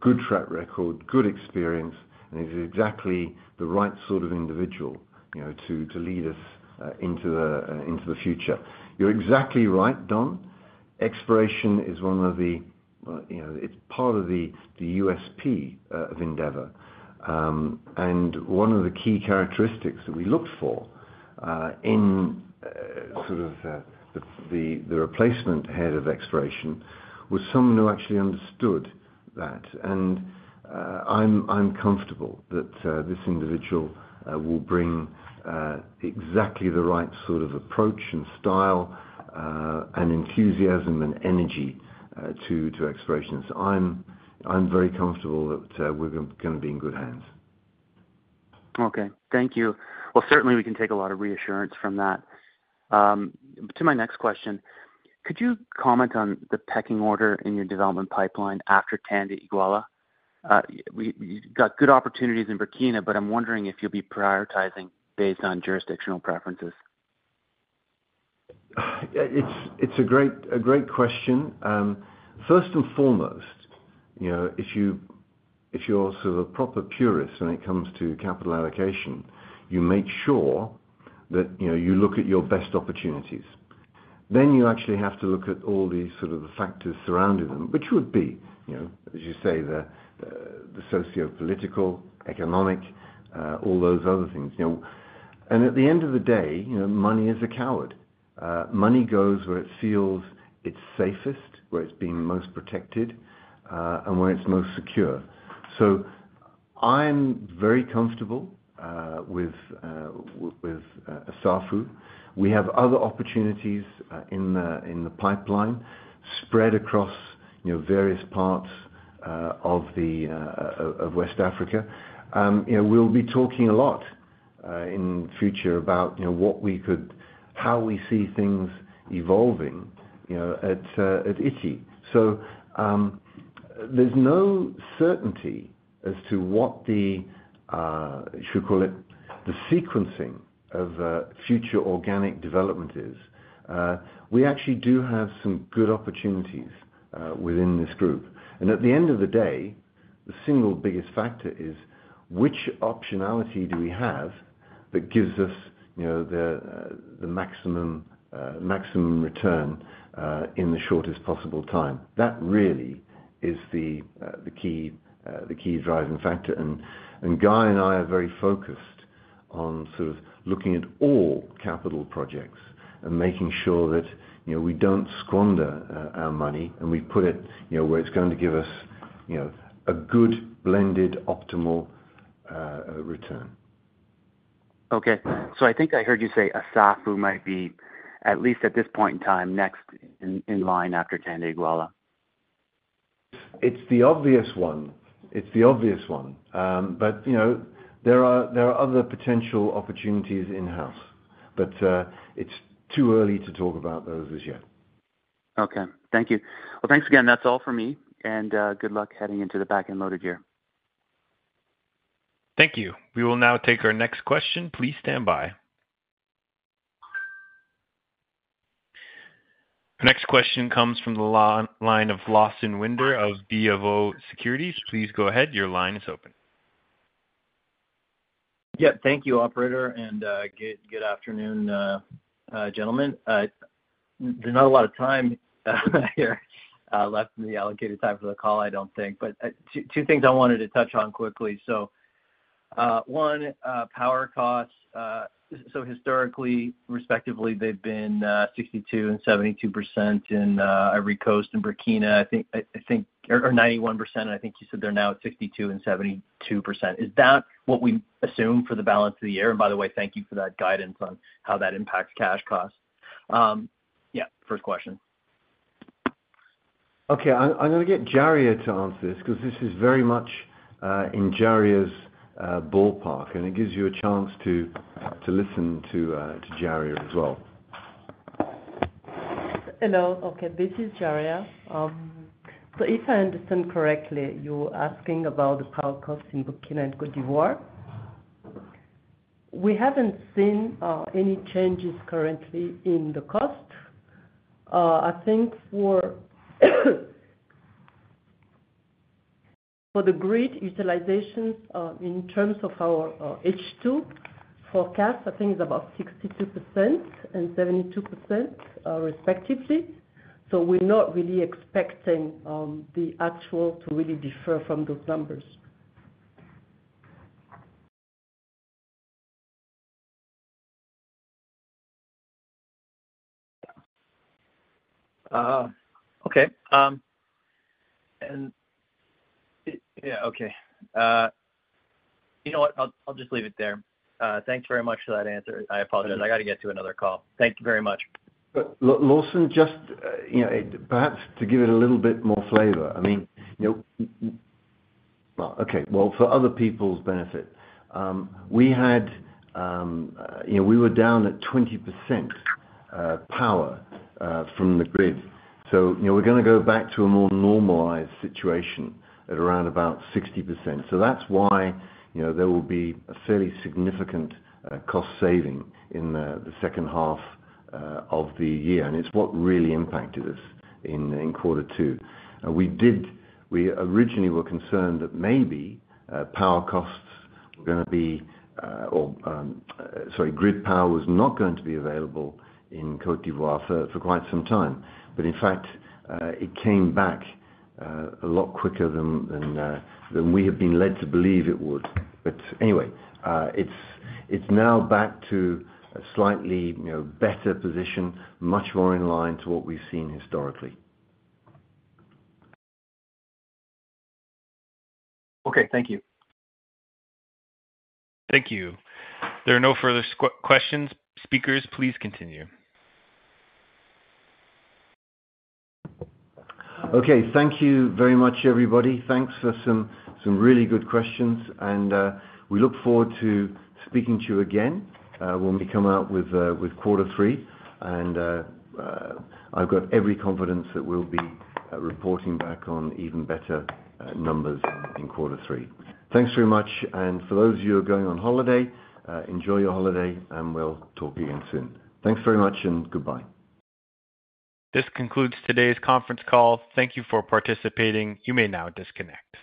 C: good track record, good experience, and is exactly the right sort of individual you know, to lead us into the future. You're exactly right, Don. Exploration is one of the you know, it's part of the USP of Endeavour. And one of the key characteristics that we look for in sort of the replacement head of exploration, was someone who actually understood that. I'm comfortable that this individual will bring exactly the right sort of approach and style, and enthusiasm and energy, to explorations. I'm very comfortable that we're gonna be in good hands.
L: Okay. Thank you. Well, certainly we can take a lot of reassurance from that. To my next question: could you comment on the pecking order in your development pipeline after Tanda-Iguela? You've got good opportunities in Burkina, but I'm wondering if you'll be prioritizing based on jurisdictional preferences. It's a great question. First and foremost, you know, if you're sort of a proper purist when it comes to capital allocation, you make sure that, you know, you look at your best opportunities. Then you actually have to look at all the sort of factors surrounding them, which would be, you know, as you say, the sociopolitical, economic, all those other things, you know. And at the end of the day, you know, money is a coward. Money goes where it feels it's safest, where it's being most protected, and where it's most secure. So I'm very comfortable with Assafou. We have other opportunities in the pipeline spread across, you know, various parts of West Africa. You know, we'll be talking a lot in future about, you know, what we could—how we see things evolving, you know, at Ity. So, there's no certainty as to what the, should call it, the sequencing of future organic development is. We actually do have some good opportunities within this group. And at the end of the day, the single biggest factor is which optionality do we have that gives us, you know, the, the maximum, maximum return in the shortest possible time? That really is the, the key, the key driving factor. Guy and I are very focused on sort of looking at all capital projects and making sure that, you know, we don't squander our money, and we put it, you know, where it's going to give us, you know, a good, blended, optimal return. Okay. So I think I heard you say Assafou might be, at least at this point in time, next in line after Tanda-Iguela.
C: It's the obvious one. It's the obvious one. But, you know, there are, there are other potential opportunities in-house, but, it's too early to talk about those as yet.
L: Okay. Thank you. Well, thanks again. That's all for me, and good luck heading into the back-end loaded year.
A: Thank you. We will now take our next question. Please stand by. Our next question comes from the line of Lawson Winder of BofA Securities. Please go ahead. Your line is open.
M: Yeah. Thank you, operator, and good afternoon, gentlemen. There's not a lot of time here left in the allocated time for the call, I don't think. But two things I wanted to touch on quickly. So one, power costs. So historically, respectively, they've been 62% and 72% in Ivory Coast and Burkina. I think... or 91%, and I think you said they're now at 62% and 72%. Is that what we assume for the balance of the year? And by the way, thank you for that guidance on how that impacts cash costs. Yeah, first question.
C: Okay, I'm gonna get Djaria to answer this, because this is very much in Djaria's ballpark, and it gives you a chance to listen to Djaria as well.
N: Hello. Okay, this is Djaria. So if I understand correctly, you're asking about the power costs in Burkina and Côte d'Ivoire? We haven't seen any changes currently in the cost. I think for the grid utilizations, in terms of our H2 forecast, I think it's about 62% and 72%, respectively. So we're not really expecting the actual to really differ from those numbers....
M: Okay. Okay. You know what? I'll just leave it there. Thanks very much for that answer. I apologize. I got to get to another call. Thank you very much.
C: But Lawson, just, you know, perhaps to give it a little bit more flavor. I mean, you know. Well, okay, well, for other people's benefit, we had, you know, we were down at 20% power from the grid. So, you know, we're gonna go back to a more normalized situation at around about 60%. So that's why, you know, there will be a fairly significant cost saving in the second half of the year, and it's what really impacted us in quarter two. And we originally were concerned that maybe power costs were gonna be, or, sorry, grid power was not going to be available in Côte d'Ivoire for quite some time. But in fact, it came back a lot quicker than we had been led to believe it would. But anyway, it's now back to a slightly, you know, better position, much more in line to what we've seen historically.
M: Okay, thank you.
A: Thank you. There are no further questions. Speakers, please continue.
C: Okay, thank you very much, everybody. Thanks for some, some really good questions, and we look forward to speaking to you again, when we come out with, with quarter three. And I've got every confidence that we'll be reporting back on even better numbers in, in quarter three. Thanks very much. And for those of you who are going on holiday, enjoy your holiday, and we'll talk again soon. Thanks very much, and goodbye.
A: This concludes today's conference call. Thank you for participating. You may now disconnect.